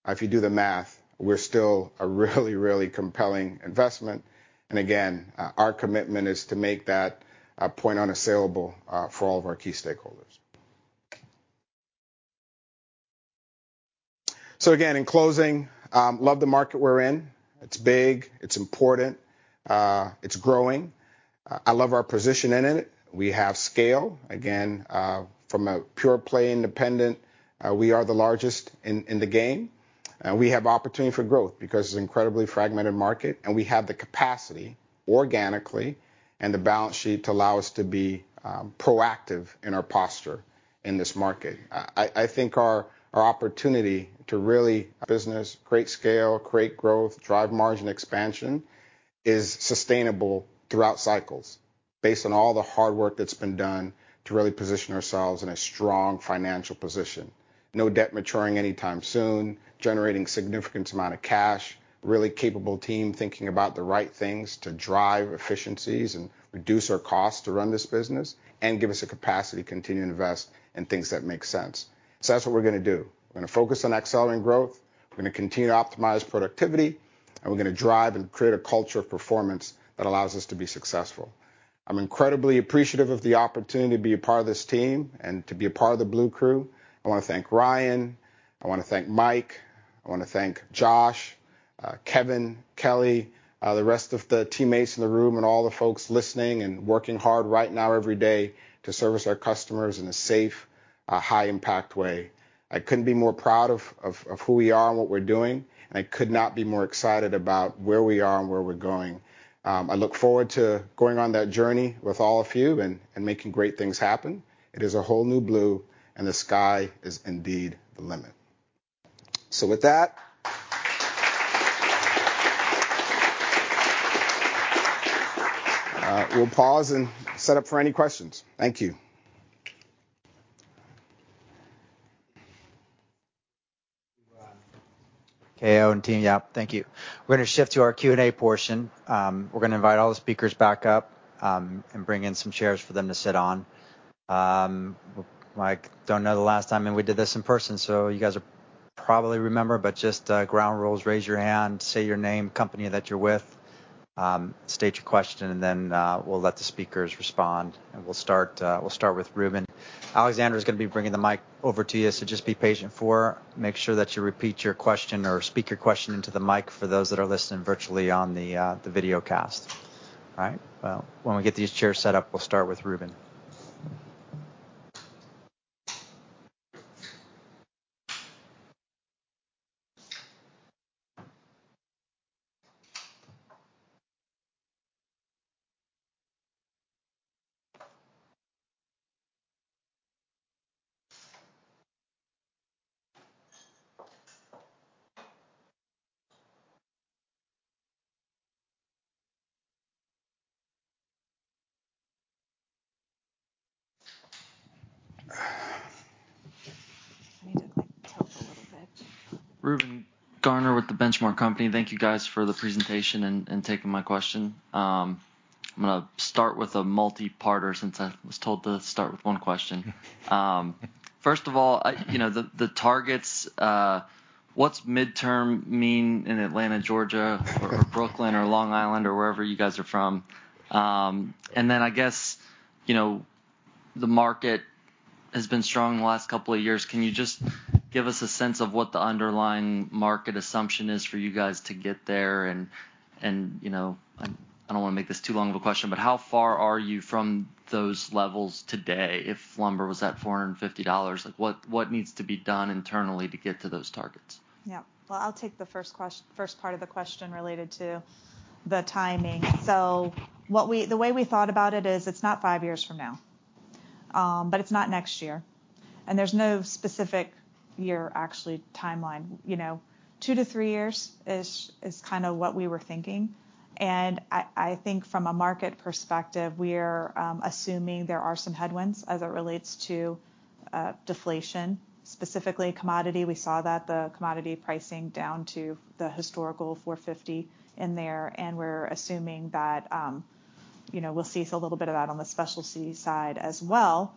if you do the math, we're still a really compelling investment. Again, our commitment is to make that point unassailable for all of our key stakeholders. Again, in closing, love the market we're in. It's big, it's important, it's growing. I love our position in it. We have scale. Again, from a pure play independent, we are the largest in the game. We have opportunity for growth because it's an incredibly fragmented market, and we have the capacity organically and the balance sheet to allow us to be proactive in our posture in this market. I think our opportunity to really build business, create scale, create growth, drive margin expansion is sustainable throughout cycles based on all the hard work that's been done to really position ourselves in a strong financial position. No debt maturing anytime soon, generating significant amount of cash, really capable team thinking about the right things to drive efficiencies and reduce our costs to run this business and give us the capacity to continue to invest in things that make sense. That's what we're gonna do. We're gonna focus on accelerating growth, we're gonna continue to optimize productivity, and we're gonna drive and create a culture of performance that allows us to be successful. I'm incredibly appreciative of the opportunity to be a part of this team and to be a part of the Blue Crew. I wanna thank Ryan, I wanna thank Mike, I wanna thank Josh, Kevin, Kelly, the rest of the teammates in the room, and all the folks listening and working hard right now every day to service our customers in a safe, high impact way. I couldn't be more proud of who we are and what we're doing, and I could not be more excited about where we are and where we're going. I look forward to going on that journey with all of you and making great things happen. It is A Whole New Blue, and the sky is indeed the limit. With that, we'll pause and set up for any questions. Thank you. KO and team, yep, thank you. We're gonna shift to our Q&A portion. We're gonna invite all the speakers back up, and bring in some chairs for them to sit on. Like, I don't know the last time we did this in person, so you guys probably remember, but just the ground rules, raise your hand, say your name, company that you're with, state your question, and then we'll let the speakers respond. We'll start with Reuben. Alexandra is gonna be bringing the mic over to you, so just be patient for. Make sure that you repeat your question or speak your question into the mic for those that are listening virtually on the video cast. All right. Well, when we get these chairs set up, we'll start with Reuben. You need to like, tilt a little bit. Reuben Garner with The Benchmark Company. Thank you guys for the presentation and taking my question. I'm gonna start with a multi-parter since I was told to start with one question. First of all, you know, the targets, what's midterm mean in Atlanta, Georgia or Brooklyn or Long Island or wherever you guys are from? Then I guess, you know, the market has been strong in the last couple of years. Can you just give us a sense of what the underlying market assumption is for you guys to get there? You know, I don't wanna make this too long of a question, but how far are you from those levels today if lumber was at $450? Like, what needs to be done internally to get to those targets? Yeah. Well, I'll take the first part of the question related to the timing. The way we thought about it is, it's not five years from now, but it's not next year. There's no specific year, actually, timeline. You know, two to three years is kinda what we were thinking. I think from a market perspective, we're assuming there are some headwinds as it relates to deflation, specifically commodity. We saw that, the commodity pricing down to the historical $450 in there, and we're assuming that, you know, we'll see a little bit of that on the specialty side as well.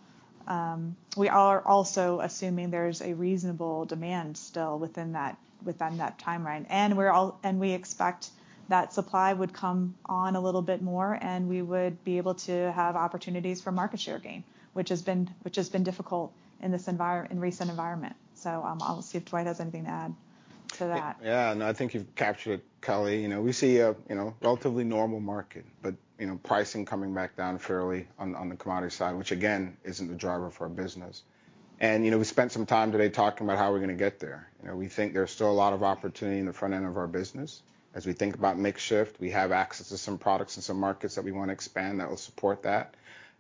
We are also assuming there's a reasonable demand still within that timeline. We expect that supply would come on a little bit more, and we would be able to have opportunities for market share gain, which has been difficult in recent environment. I'll see if Dwight has anything to add to that. Yeah. No, I think you've captured it, Kelly. You know, we see a, you know, relatively normal market, but, you know, pricing coming back down fairly on the commodity side, which again, isn't the driver for our business. You know, we spent some time today talking about how we're gonna get there. You know, we think there's still a lot of opportunity in the front end of our business. As we think about mix shift, we have access to some products in some markets that we wanna expand that will support that.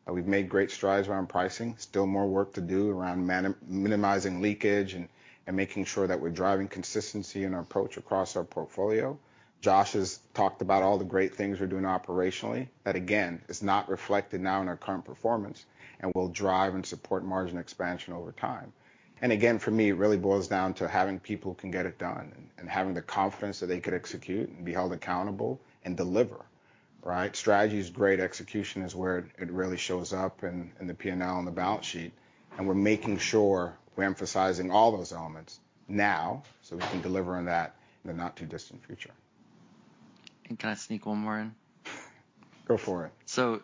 We've made great strides around pricing. Still more work to do around minimizing leakage and making sure that we're driving consistency in our approach across our portfolio. Josh has talked about all the great things we're doing operationally. That, again, is not reflected now in our current performance, and will drive and support margin expansion over time. Again, for me, it really boils down to having people who can get it done and having the confidence that they could execute and be held accountable and deliver, right? Strategy is great. Execution is where it really shows up in the P&L and the balance sheet, and we're making sure we're emphasizing all those elements now so we can deliver on that in the not too distant future. Can I sneak one more in? Go for it.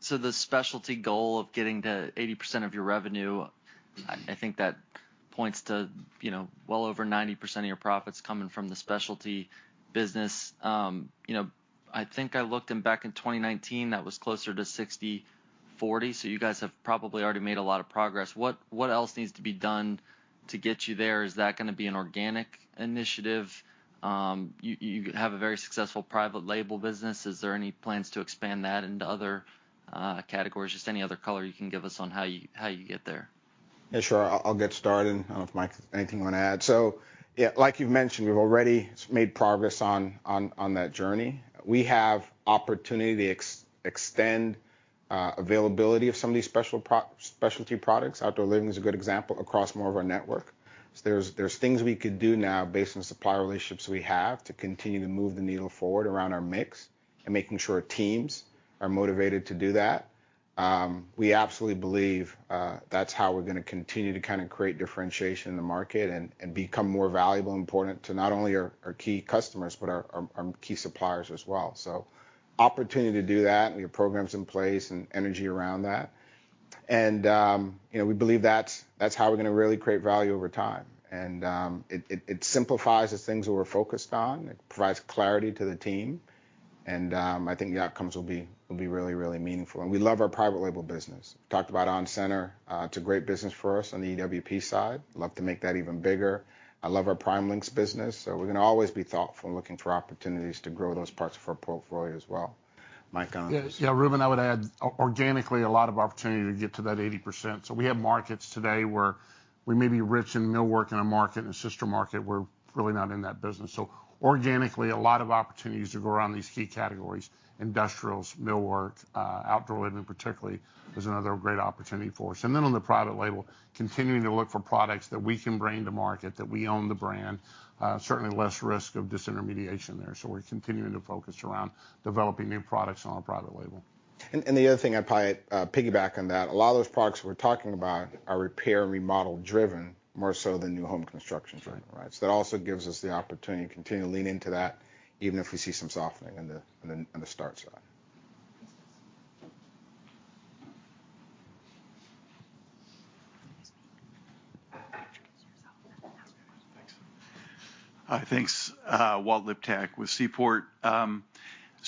The specialty goal of getting to 80% of your revenue, I think that points to, you know, well over 90% of your profits coming from the specialty business. You know, I think I looked and back in 2019 that was closer to 60/40, so you guys have probably already made a lot of progress. What else needs to be done to get you there? Is that gonna be an organic initiative? You have a very successful private label business. Is there any plans to expand that into other categories? Just any other color you can give us on how you get there. Yeah, sure. I'll get started. I don't know if Mike has anything you wanna add. Yeah, like you've mentioned, we've already made progress on that journey. We have opportunity to extend availability of some of these specialty products. Outdoor living is a good example, across more of our network. There's things we could do now based on the supplier relationships we have to continue to move the needle forward around our mix and making sure teams are motivated to do that. We absolutely believe that's how we're gonna continue to kinda create differentiation in the market and become more valuable and important to not only our key customers, but our key suppliers as well. Opportunity to do that, we have programs in place and energy around that. You know, we believe that's how we're gonna really create value over time. It simplifies the things that we're focused on, it provides clarity to the team, and I think the outcomes will be really meaningful. We love our private label business. Talked about onCENTER, it's a great business for us on the EWP side. Love to make that even bigger. I love our PrimeLinx business. We're gonna always be thoughtful in looking for opportunities to grow those parts of our portfolio as well. Mike, anything? Yeah. Yeah, Reuben, I would add organically, a lot of opportunity to get to that 80%. We have markets today where we may be rich in millwork in a market, in a sister market we're really not in that business. Organically, a lot of opportunities to grow around these key categories. Industrials, millwork, outdoor living particularly is another great opportunity for us. Then on the private label, continuing to look for products that we can bring to market, that we own the brand. Certainly less risk of disintermediation there. We're continuing to focus around developing new products on our private label. The other thing I'd probably piggyback on that, a lot of those products we're talking about are repair and remodel driven more so than new home construction driven, right? Sure. That also gives us the opportunity to continue to lean into that even if we see some softening in the on the start side. Thanks. Thanks. Walt Liptak with Seaport. I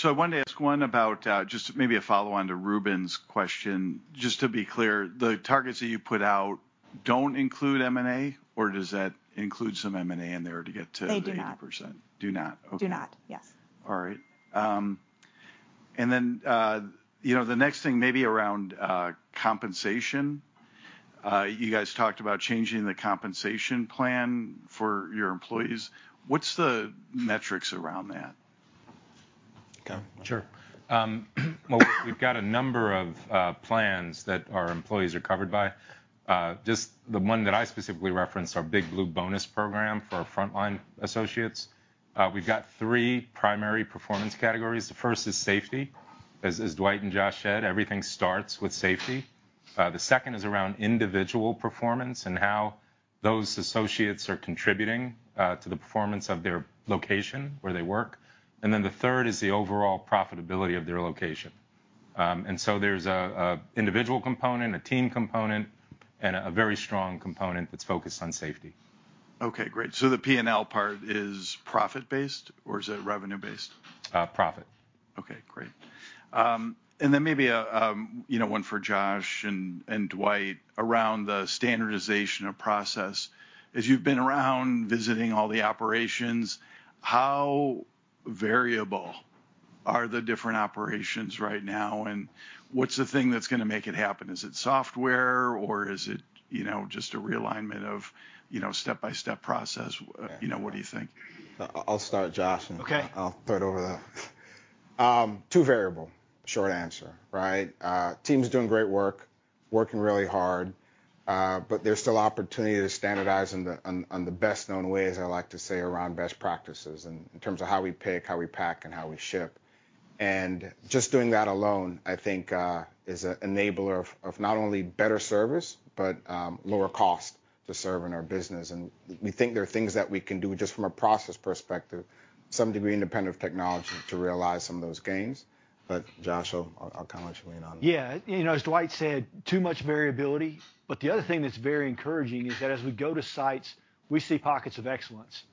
wanted to ask one about just maybe a follow-on to Reuben's question. Just to be clear, the targets that you put out don't include M&A, or does that include some M&A in there to get to the 80%? They do not. Do not. Okay. Do not. Yes. All right. You know, the next thing maybe around compensation. You guys talked about changing the compensation plan for your employees. What's the metrics around that? Kevin? Sure. Well, we've got a number of plans that our employees are covered by. Just the one that I specifically referenced, our Big Blue bonus program for our frontline associates. We've got three primary performance categories. The first is safety. As Dwight and Josh said, everything starts with safety. The second is around individual performance and how those associates are contributing to the performance of their location where they work. The third is the overall profitability of their location. There's an individual component, a team component, and a very strong component that's focused on safety. Okay, great. The P&L part is profit-based or is it revenue-based? Profit. Okay, great. Then maybe a you know, one for Josh and Dwight around the standardization of process. As you've been around visiting all the operations, how variable are the different operations right now, and what's the thing that's gonna make it happen? Is it software or is it, you know, just a realignment of, you know, step-by-step process? You know, what do you think? I'll start, Josh- Okay I'll throw it over there. Too variable, short answer, right? Team's doing great work, working really hard, but there's still opportunity to standardize on the best known ways, I like to say, around best practices in terms of how we pick, how we pack, and how we ship. Just doing that alone, I think, is an enabler of not only better service, but lower cost to serving our business. We think there are things that we can do just from a process perspective, some degree independent of technology, to realize some of those gains. I'll kinda let you lean on. Yeah. You know, as Dwight said, too much variability, but the other thing that's very encouraging is that as we go to sites, we see pockets of excellence.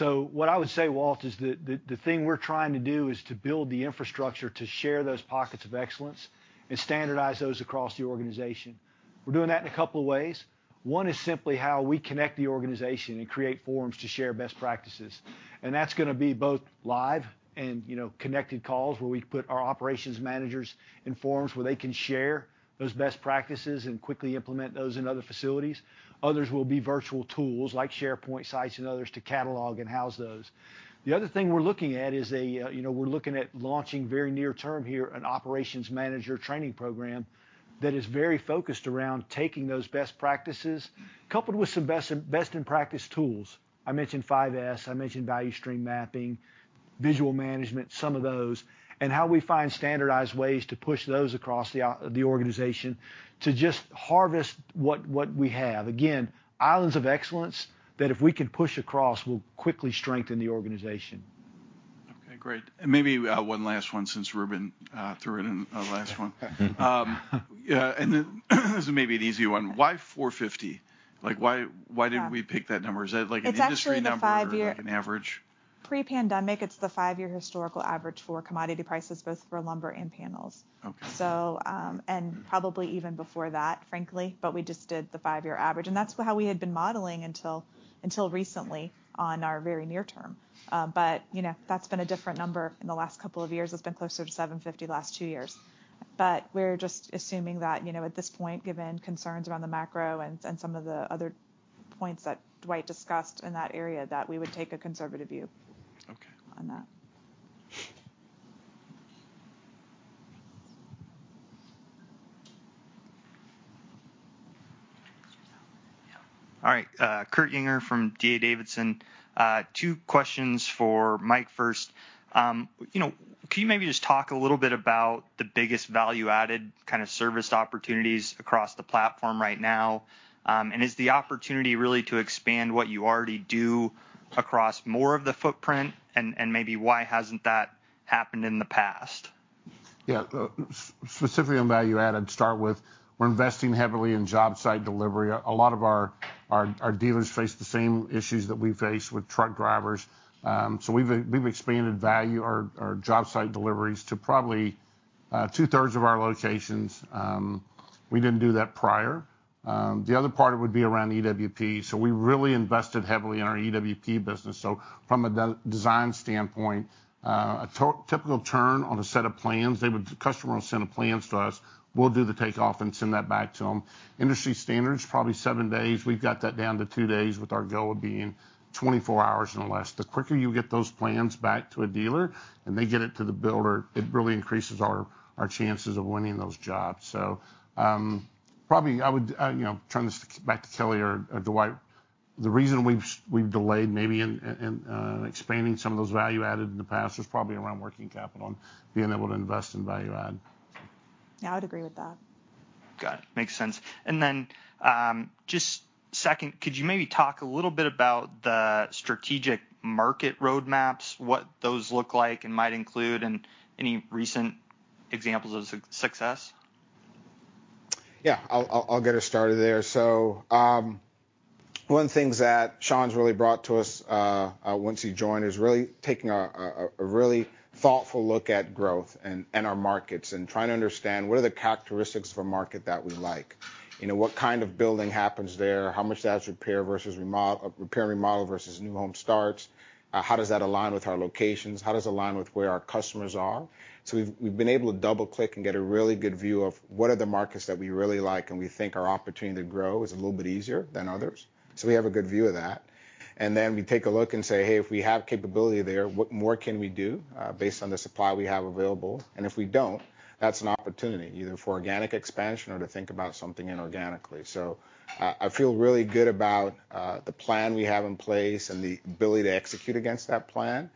What I would say, Walt, is that the thing we're trying to do is to build the infrastructure to share those pockets of excellence and standardize those across the organization. We're doing that in a couple of ways. One is simply how we connect the organization and create forums to share best practices, and that's gonna be both live and, you know, connected calls where we put our operations managers in forums where they can share those best practices and quickly implement those in other facilities. Others will be virtual tools, like SharePoint sites and others, to catalog and house those. The other thing we're looking at is, you know, we're looking at launching very near term here an operations manager training program that is very focused around taking those best practices coupled with some best in practice tools. I mentioned 5S, I mentioned value stream mapping, visual management, some of those, and how we find standardized ways to push those across the organization to just harvest what we have. Again, islands of excellence that if we can push across, will quickly strengthen the organization. Okay. Great. Maybe one last one since Reuben threw in a last one. Yeah, then this may be an easy one. Why 450? Like, why did we pick that number? Is that, like, an industry number? It's actually the five-year- Like an average? Pre-pandemic, it's the five-year historical average for commodity prices, both for lumber and panels. Okay. Probably even before that, frankly, but we just did the five-year average, and that's how we had been modeling until recently on our very near term. You know, that's been a different number in the last couple of years. It's been closer to $750 last two years. We're just assuming that, you know, at this point, given concerns around the macro and some of the other points that Dwight discussed in that area, that we would take a conservative view. Okay on that. All right. Kurt Yinger from D.A. Davidson. Two questions for Mike first. You know, can you maybe just talk a little bit about the biggest value-added kind of serviced opportunities across the platform right now? And is the opportunity really to expand what you already do across more of the footprint? And maybe why hasn't that happened in the past? Yeah, specifically on value-added to start with, we're investing heavily in job site delivery. A lot of our dealers face the same issues that we face with truck drivers. We've expanded our job site deliveries to probably two-thirds of our locations. We didn't do that prior. The other part would be around EWP. We really invested heavily in our EWP business. From a design standpoint, a typical turn on a set of plans. Customer will send the plans to us, we'll do the takeoff and send that back to them. Industry standard is probably seven days. We've got that down to two days, with our goal being 24 hours or less. The quicker you get those plans back to a dealer and they get it to the builder, it really increases our chances of winning those jobs. Probably I would, you know, turn this back to Kelly or Dwight. The reason we've delayed maybe in expanding some of those value-added in the past was probably around working capital and being able to invest in value-add. Yeah, I would agree with that. Got it. Makes sense. Just second, could you maybe talk a little bit about the strategic market roadmaps, what those look like and might include, and any recent examples of success? Yeah. I'll get us started there. One of the things that Sean's really brought to us once he joined is really taking a really thoughtful look at growth and our markets and trying to understand what are the characteristics of a market that we like. You know, what kind of building happens there? How much that's repair and remodel versus new home starts? How does that align with our locations? How does it align with where our customers are? We've been able to double-click and get a really good view of what are the markets that we really like and we think our opportunity to grow is a little bit easier than others. We have a good view of that. Then we take a look and say, "Hey, if we have capability there, what more can we do, based on the supply we have available?" If we don't, that's an opportunity either for organic expansion or to think about something inorganically. I feel really good about the plan we have in place and the ability to execute against that plan.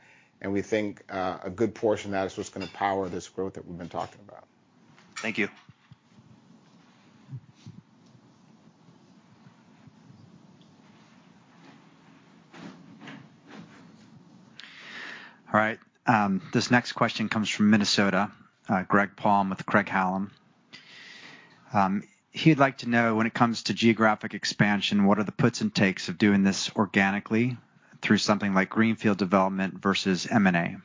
We think a good portion of that is what's gonna power this growth that we've been talking about. Thank you. All right. This next question comes from Minnesota, Greg Palm with Craig-Hallum. He'd like to know, when it comes to geographic expansion, what are the puts and takes of doing this organically through something like greenfield development versus M&A?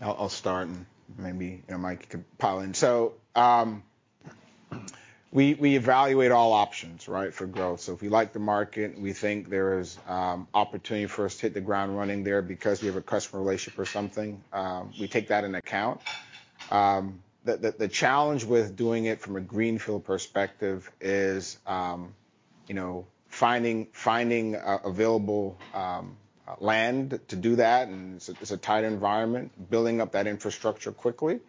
I'll start and maybe, you know, Mike can pile in. We evaluate all options, right, for growth. If we like the market and we think there's opportunity for us to hit the ground running there because we have a customer relationship or something, we take that into account. The challenge with doing it from a greenfield perspective is, you know, finding available land to do that, and it's a tight environment, building up that infrastructure quickly.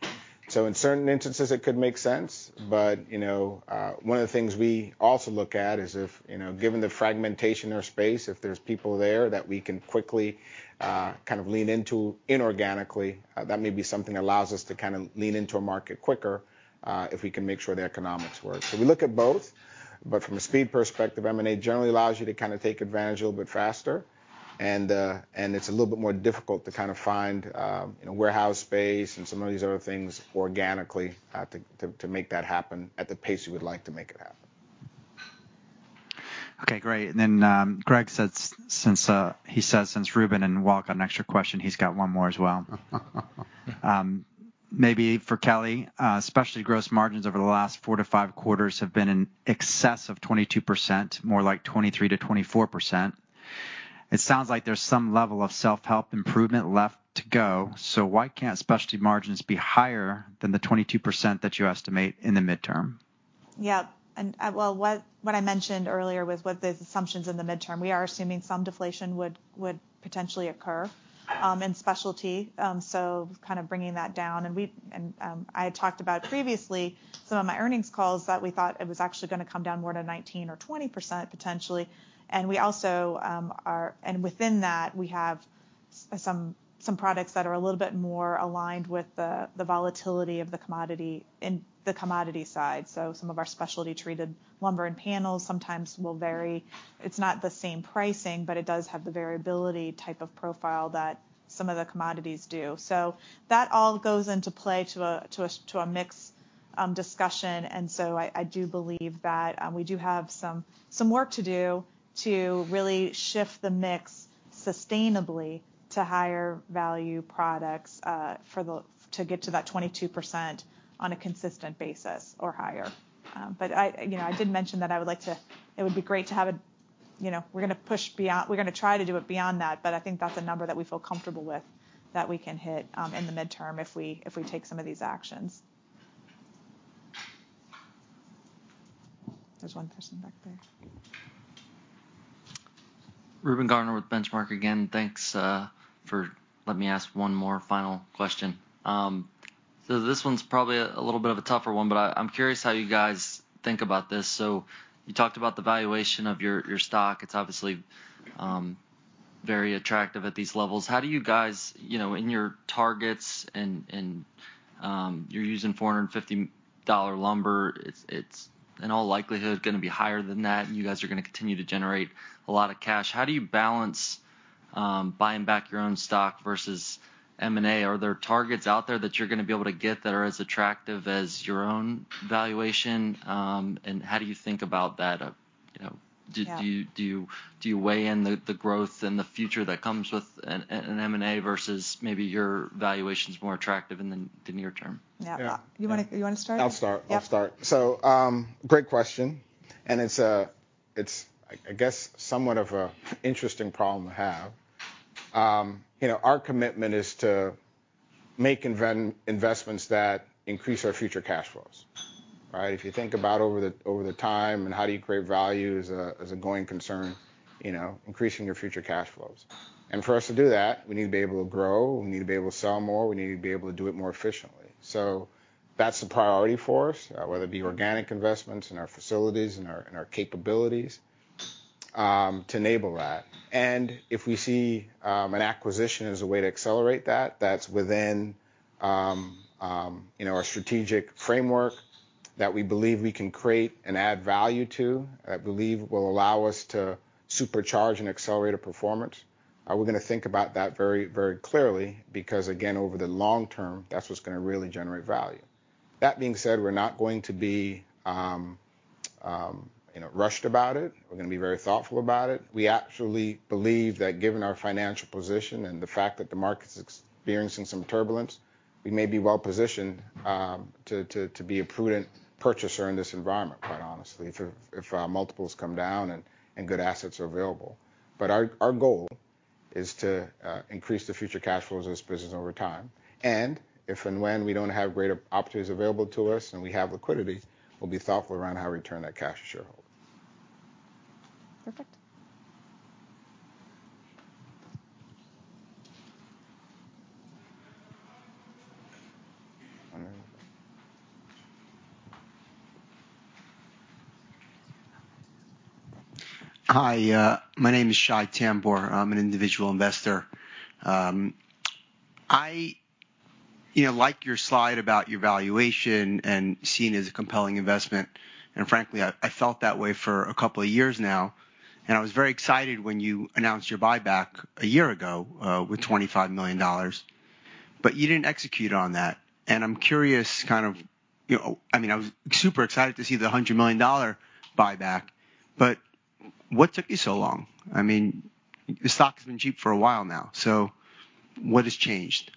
In certain instances it could make sense. You know, one of the things we also look at is if, you know, given the fragmentation of space, if there's people there that we can quickly kind of lean into inorganically, that may be something that allows us to kind of lean into a market quicker, if we can make sure the economics work. We look at both, but from a speed perspective, M&A generally allows you to kind of take advantage a little bit faster and it's a little bit more difficult to kind of find, you know, warehouse space and some of these other things organically, to make that happen at the pace we would like to make it happen. Okay, great. Greg said since Reuben and Walt got an extra question, he's got one more as well. Maybe for Kelly. Especially gross margins over the last four to five quarters have been in excess of 22%, more like 23%-24%. It sounds like there's some level of self-help improvement left to go, so why can't specialty margins be higher than the 22% that you estimate in the midterm? Yeah. Well, what I mentioned earlier was what those assumptions in the mid-term, we are assuming some deflation would potentially occur in specialty. Kind of bringing that down. I had talked about previously some of my earnings calls that we thought it was actually gonna come down more to 19% or 20% potentially. We also are within that, we have some products that are a little bit more aligned with the volatility of the commodity in the commodity side. Some of our specialty treated lumber and panels sometimes will vary. It's not the same pricing, but it does have the variability type of profile that some of the commodities do. That all goes into play to a mix discussion. I do believe that we do have some work to do to really shift the mix sustainably to higher value products to get to that 22% on a consistent basis or higher. I you know I did mention that it would be great to have a you know we're gonna try to do it beyond that, but I think that's a number that we feel comfortable with that we can hit in the midterm if we take some of these actions. There's one person back there. Reuben Garner with Benchmark again. Thanks for letting me ask one more final question. This one's probably a little bit of a tougher one, but I'm curious how you guys think about this. You talked about the valuation of your stock. It's obviously very attractive at these levels. How do you guys, you know, in your targets and you're using $450 lumber, it's in all likelihood gonna be higher than that, and you guys are gonna continue to generate a lot of cash. How do you balance buying back your own stock versus M&A? Are there targets out there that you're gonna be able to get that are as attractive as your own valuation? And how do you think about that? You know. Yeah. Do you weigh in on the growth and the future that comes with an M&A versus maybe your valuation's more attractive in the near term? Yeah. Yeah. You wanna start? I'll start. Yeah. I'll start. Great question, and it's, I guess, somewhat of an interesting problem to have. You know, our commitment is to make investments that increase our future cash flows, right? If you think about over time and how do you create value as a going concern, you know, increasing your future cash flows. For us to do that, we need to be able to grow, we need to be able to sell more, we need to be able to do it more efficiently. That's the priority for us, whether it be organic investments in our facilities, in our capabilities, to enable that. If we see an acquisition as a way to accelerate that's within, you know, our strategic framework that we believe we can create and add value to, I believe will allow us to supercharge and accelerate a performance. We're gonna think about that very, very clearly because again, over the long term, that's what's gonna really generate value. That being said, we're not going to be, you know, rushed about it. We're gonna be very thoughtful about it. We actually believe that given our financial position and the fact that the market's experiencing some turbulence, we may be well positioned to be a prudent purchaser in this environment, quite honestly, if multiples come down and good assets are available. Our goal is to increase the future cash flows of this business over time. If and when we don't have greater opportunities available to us and we have liquidity, we'll be thoughtful around how we return that cash to shareholders. Perfect. All right. Hi. My name is Shai Tambor. I'm an individual investor. You know, I like your slide about your valuation and seen as a compelling investment, and frankly, I felt that way for a couple of years now, and I was very excited when you announced your buyback a year ago with $25 million, but you didn't execute on that. I'm curious, kind of. You know, I mean, I was super excited to see the $100 million buyback, but what took you so long? I mean, the stock has been cheap for a while now, so what has changed?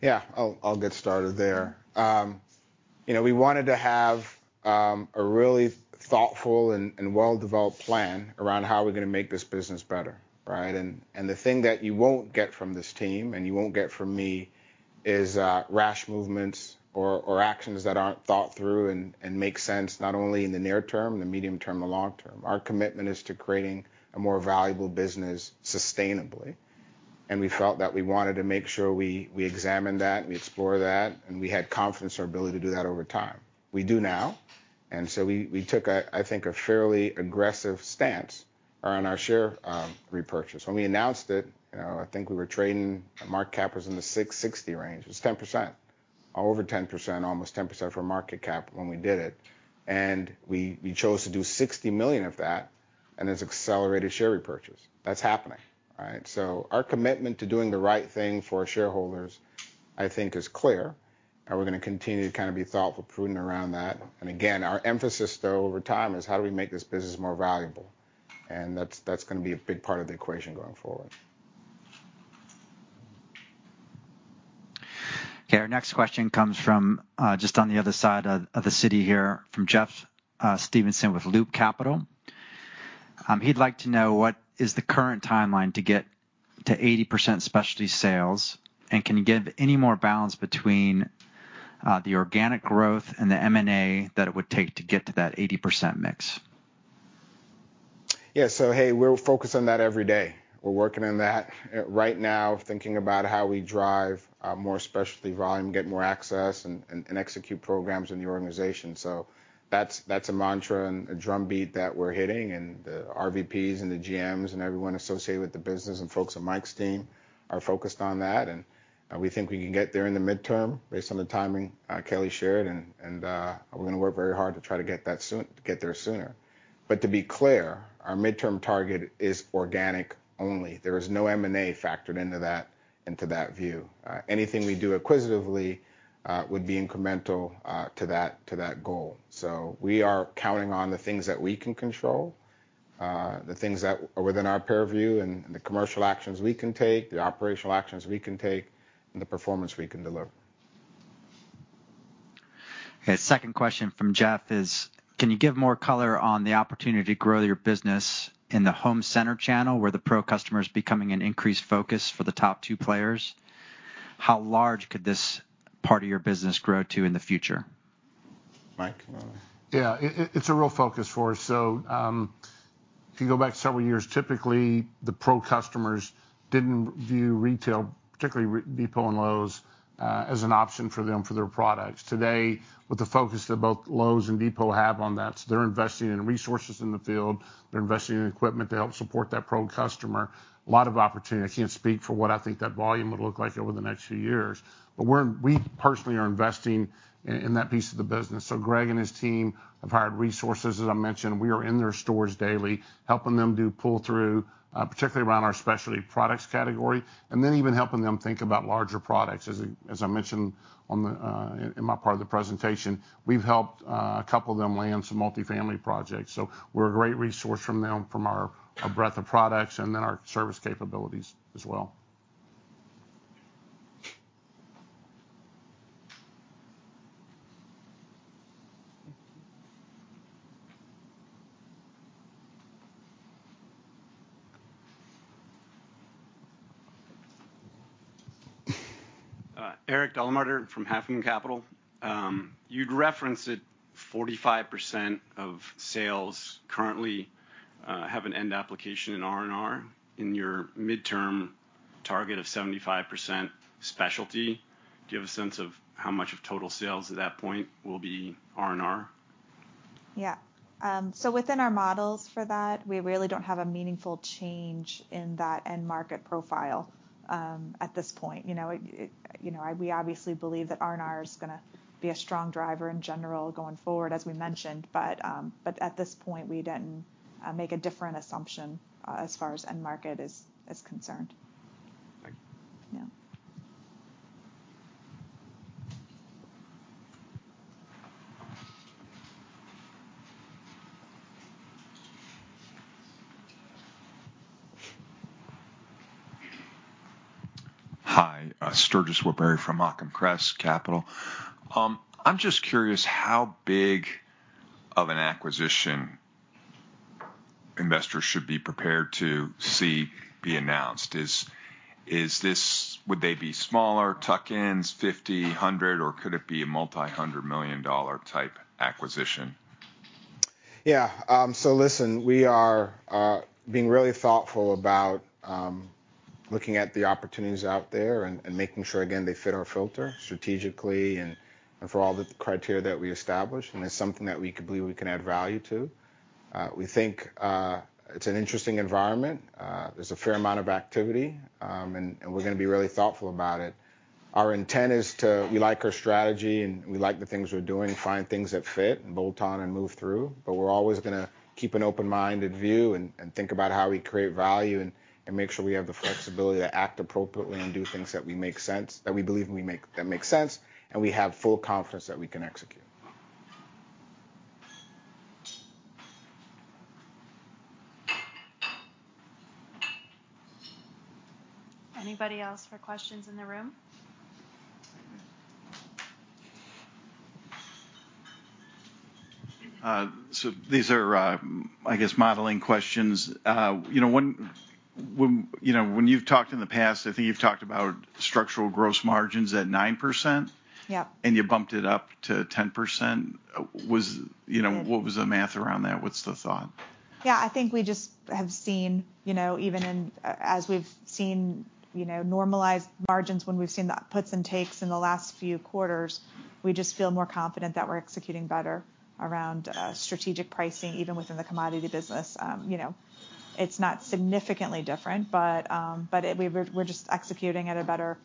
Yeah. I'll get started there. You know, we wanted to have a really thoughtful and well-developed plan around how we're gonna make this business better, right? The thing that you won't get from this team and you won't get from me is rash movements or actions that aren't thought through and make sense, not only in the near term, the medium term and long term. Our commitment is to creating a more valuable business sustainably, and we felt that we wanted to make sure we examine that, we explore that, and we had confidence in our ability to do that over time. We do now. We took a, I think, a fairly aggressive stance around our share repurchase. When we announced it, you know, I think we were trading, market cap was in the $660 range. It was 10%. Over 10%, almost 10% for market cap when we did it. We chose to do $60 million of that. It's accelerated share repurchase. That's happening, all right? Our commitment to doing the right thing for our shareholders, I think is clear, and we're gonna continue to kind of be thoughtful, prudent around that. Our emphasis though over time is how do we make this business more valuable? That's gonna be a big part of the equation going forward. Okay, our next question comes from just on the other side of the city here, from Jeff Stevenson with Loop Capital. He'd like to know what is the current timeline to get to 80% specialty sales, and can you give any more balance between the organic growth and the M&A that it would take to get to that 80% mix? Yeah. Hey, we're focused on that every day. We're working on that. Right now thinking about how we drive more specialty volume, get more access and execute programs in the organization. That's a mantra and a drumbeat that we're hitting, and the RVPs and the GMs and everyone associated with the business and folks on Mike's team are focused on that. We think we can get there in the midterm based on the timing Kelly shared. We're gonna work very hard to try to get that soon to get there sooner. To be clear, our midterm target is organic only. There is no M&A factored into that view. Anything we do acquisitively would be incremental to that goal. We are counting on the things that we can control, the things that are within our purview and the commercial actions we can take, the operational actions we can take, and the performance we can deliver. Okay, second question from Jeff is, can you give more color on the opportunity to grow your business in the home center channel where the pro customer is becoming an increased focus for the top two players? How large could this part of your business grow to in the future? Mike, you wanna- Yeah. It's a real focus for us. If you go back several years, typically the pro customers didn't view retail, particularly The Home Depot and Lowe's, as an option for them for their products. Today, with the focus that both Lowe's and The Home Depot have on that, they're investing in resources in the field, they're investing in equipment to help support that pro customer, a lot of opportunity. I can't speak for what I think that volume would look like over the next few years, but we personally are investing in that piece of the business. Greg and his team have hired resources. As I mentioned, we are in their stores daily, helping them do pull-through, particularly around our specialty products category, and then even helping them think about larger products. As I mentioned in my part of the presentation, we've helped a couple of them land some multifamily projects. We're a great resource for them from our breadth of products and then our service capabilities as well. Thank you. Eric DeLamarter from Half Moon Capital. You'd referenced that 45% of sales currently have an end application in R&R. In your midterm target of 75% specialty, do you have a sense of how much of total sales at that point will be R&R? Yeah. So within our models for that, we really don't have a meaningful change in that end market profile, at this point. You know, we obviously believe that R&R is gonna be a strong driver in general going forward, as we mentioned. At this point, we didn't make a different assumption, as far as end market is concerned. Thank you. Yeah. Hi. Sturgis Woodberry from Occam Crest Management. I'm just curious how big of an acquisition investors should be prepared to see be announced. Would they be smaller tuck-ins, 50, 100, or could it be a multi-hundred-million dollar type acquisition? Yeah. So listen, we are being really thoughtful about looking at the opportunities out there and making sure, again, they fit our filter strategically and for all the criteria that we established, and it's something that we believe we can add value to. We think it's an interesting environment. There's a fair amount of activity, and we're gonna be really thoughtful about it. We like our strategy, and we like the things we're doing, find things that fit and bolt on and move through. But we're always gonna keep an open-minded view and think about how we create value and make sure we have the flexibility to act appropriately and do things that make sense, that we believe make sense, and we have full confidence that we can execute. Anybody else for questions in the room? These are, I guess, modeling questions. You know, when you've talked in the past, I think you've talked about structural gross margins at 9%. Yeah. You bumped it up to 10%. You know Yeah. What was the math around that? What's the thought? Yeah. I think we just have seen, you know, even in, as we've seen, you know, normalized margins, when we've seen the puts and takes in the last few quarters, we just feel more confident that we're executing better around strategic pricing, even within the commodity business, you know. It's not significantly different, but it. We're just executing at a better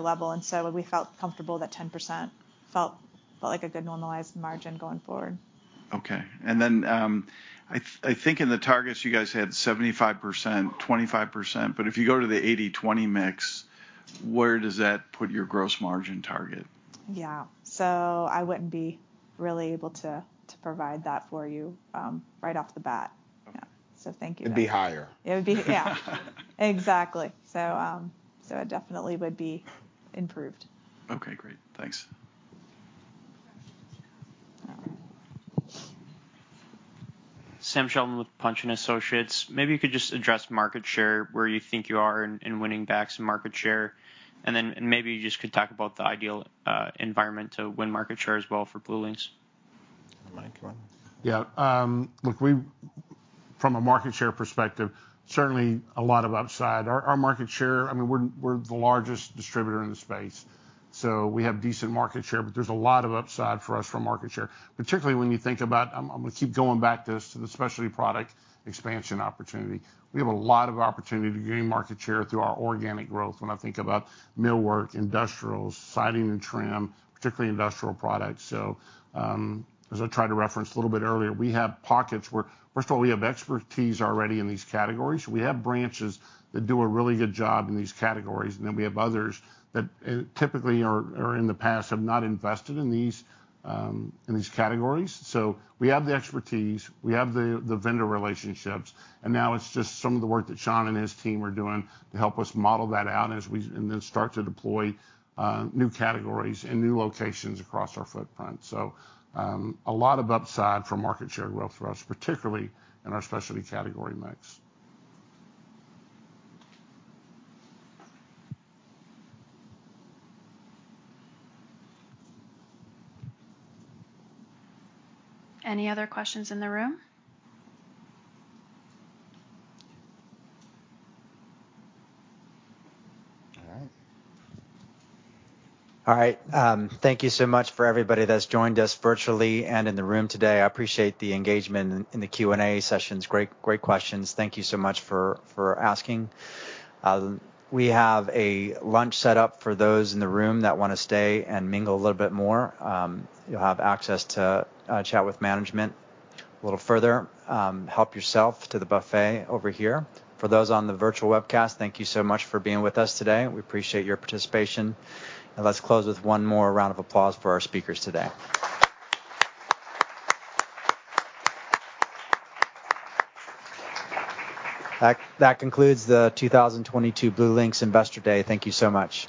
level. We felt comfortable that 10% felt like a good normalized margin going forward. Okay. I think in the targets you guys had 75%, 25%, but if you go to the 80/20 mix, where does that put your gross margin target? Yeah. I wouldn't be really able to to provide that for you, right off the bat. Thank you though. It'd be higher. It would be. Yeah. Exactly. It definitely would be improved. Okay, great. Thanks. All right. Sam Sheldon with Punch & Associates. Maybe you could just address market share, where you think you are in winning back some market share, and then maybe you just could talk about the ideal environment to win market share as well for BlueLinx. Mike, you want to? Yeah. Look, we from a market share perspective, certainly a lot of upside. Our market share, I mean, we're the largest distributor in the space, so we have decent market share, but there's a lot of upside for us from market share. Particularly when you think about, I'm gonna keep going back to this, to the specialty product expansion opportunity. We have a lot of opportunity to gain market share through our organic growth when I think about millwork, industrials, siding and trim, particularly industrial products. As I tried to reference a little bit earlier, we have pockets where, first of all, we have expertise already in these categories. We have branches that do a really good job in these categories, and then we have others that, typically or in the past have not invested in these categories. We have the expertise, we have the vendor relationships, and now it's just some of the work that Sean and his team are doing to help us model that out and then start to deploy new categories and new locations across our footprint. A lot of upside for market share growth for us, particularly in our specialty category mix. Any other questions in the room? All right. Thank you so much for everybody that's joined us virtually and in the room today. I appreciate the engagement in the Q&A sessions. Great questions. Thank you so much for asking. We have a lunch set up for those in the room that wanna stay and mingle a little bit more. You'll have access to chat with management a little further. Help yourself to the buffet over here. For those on the virtual webcast, thank you so much for being with us today. We appreciate your participation. Now let's close with one more round of applause for our speakers today. That concludes the 2022 BlueLinx Investor Day. Thank you so much.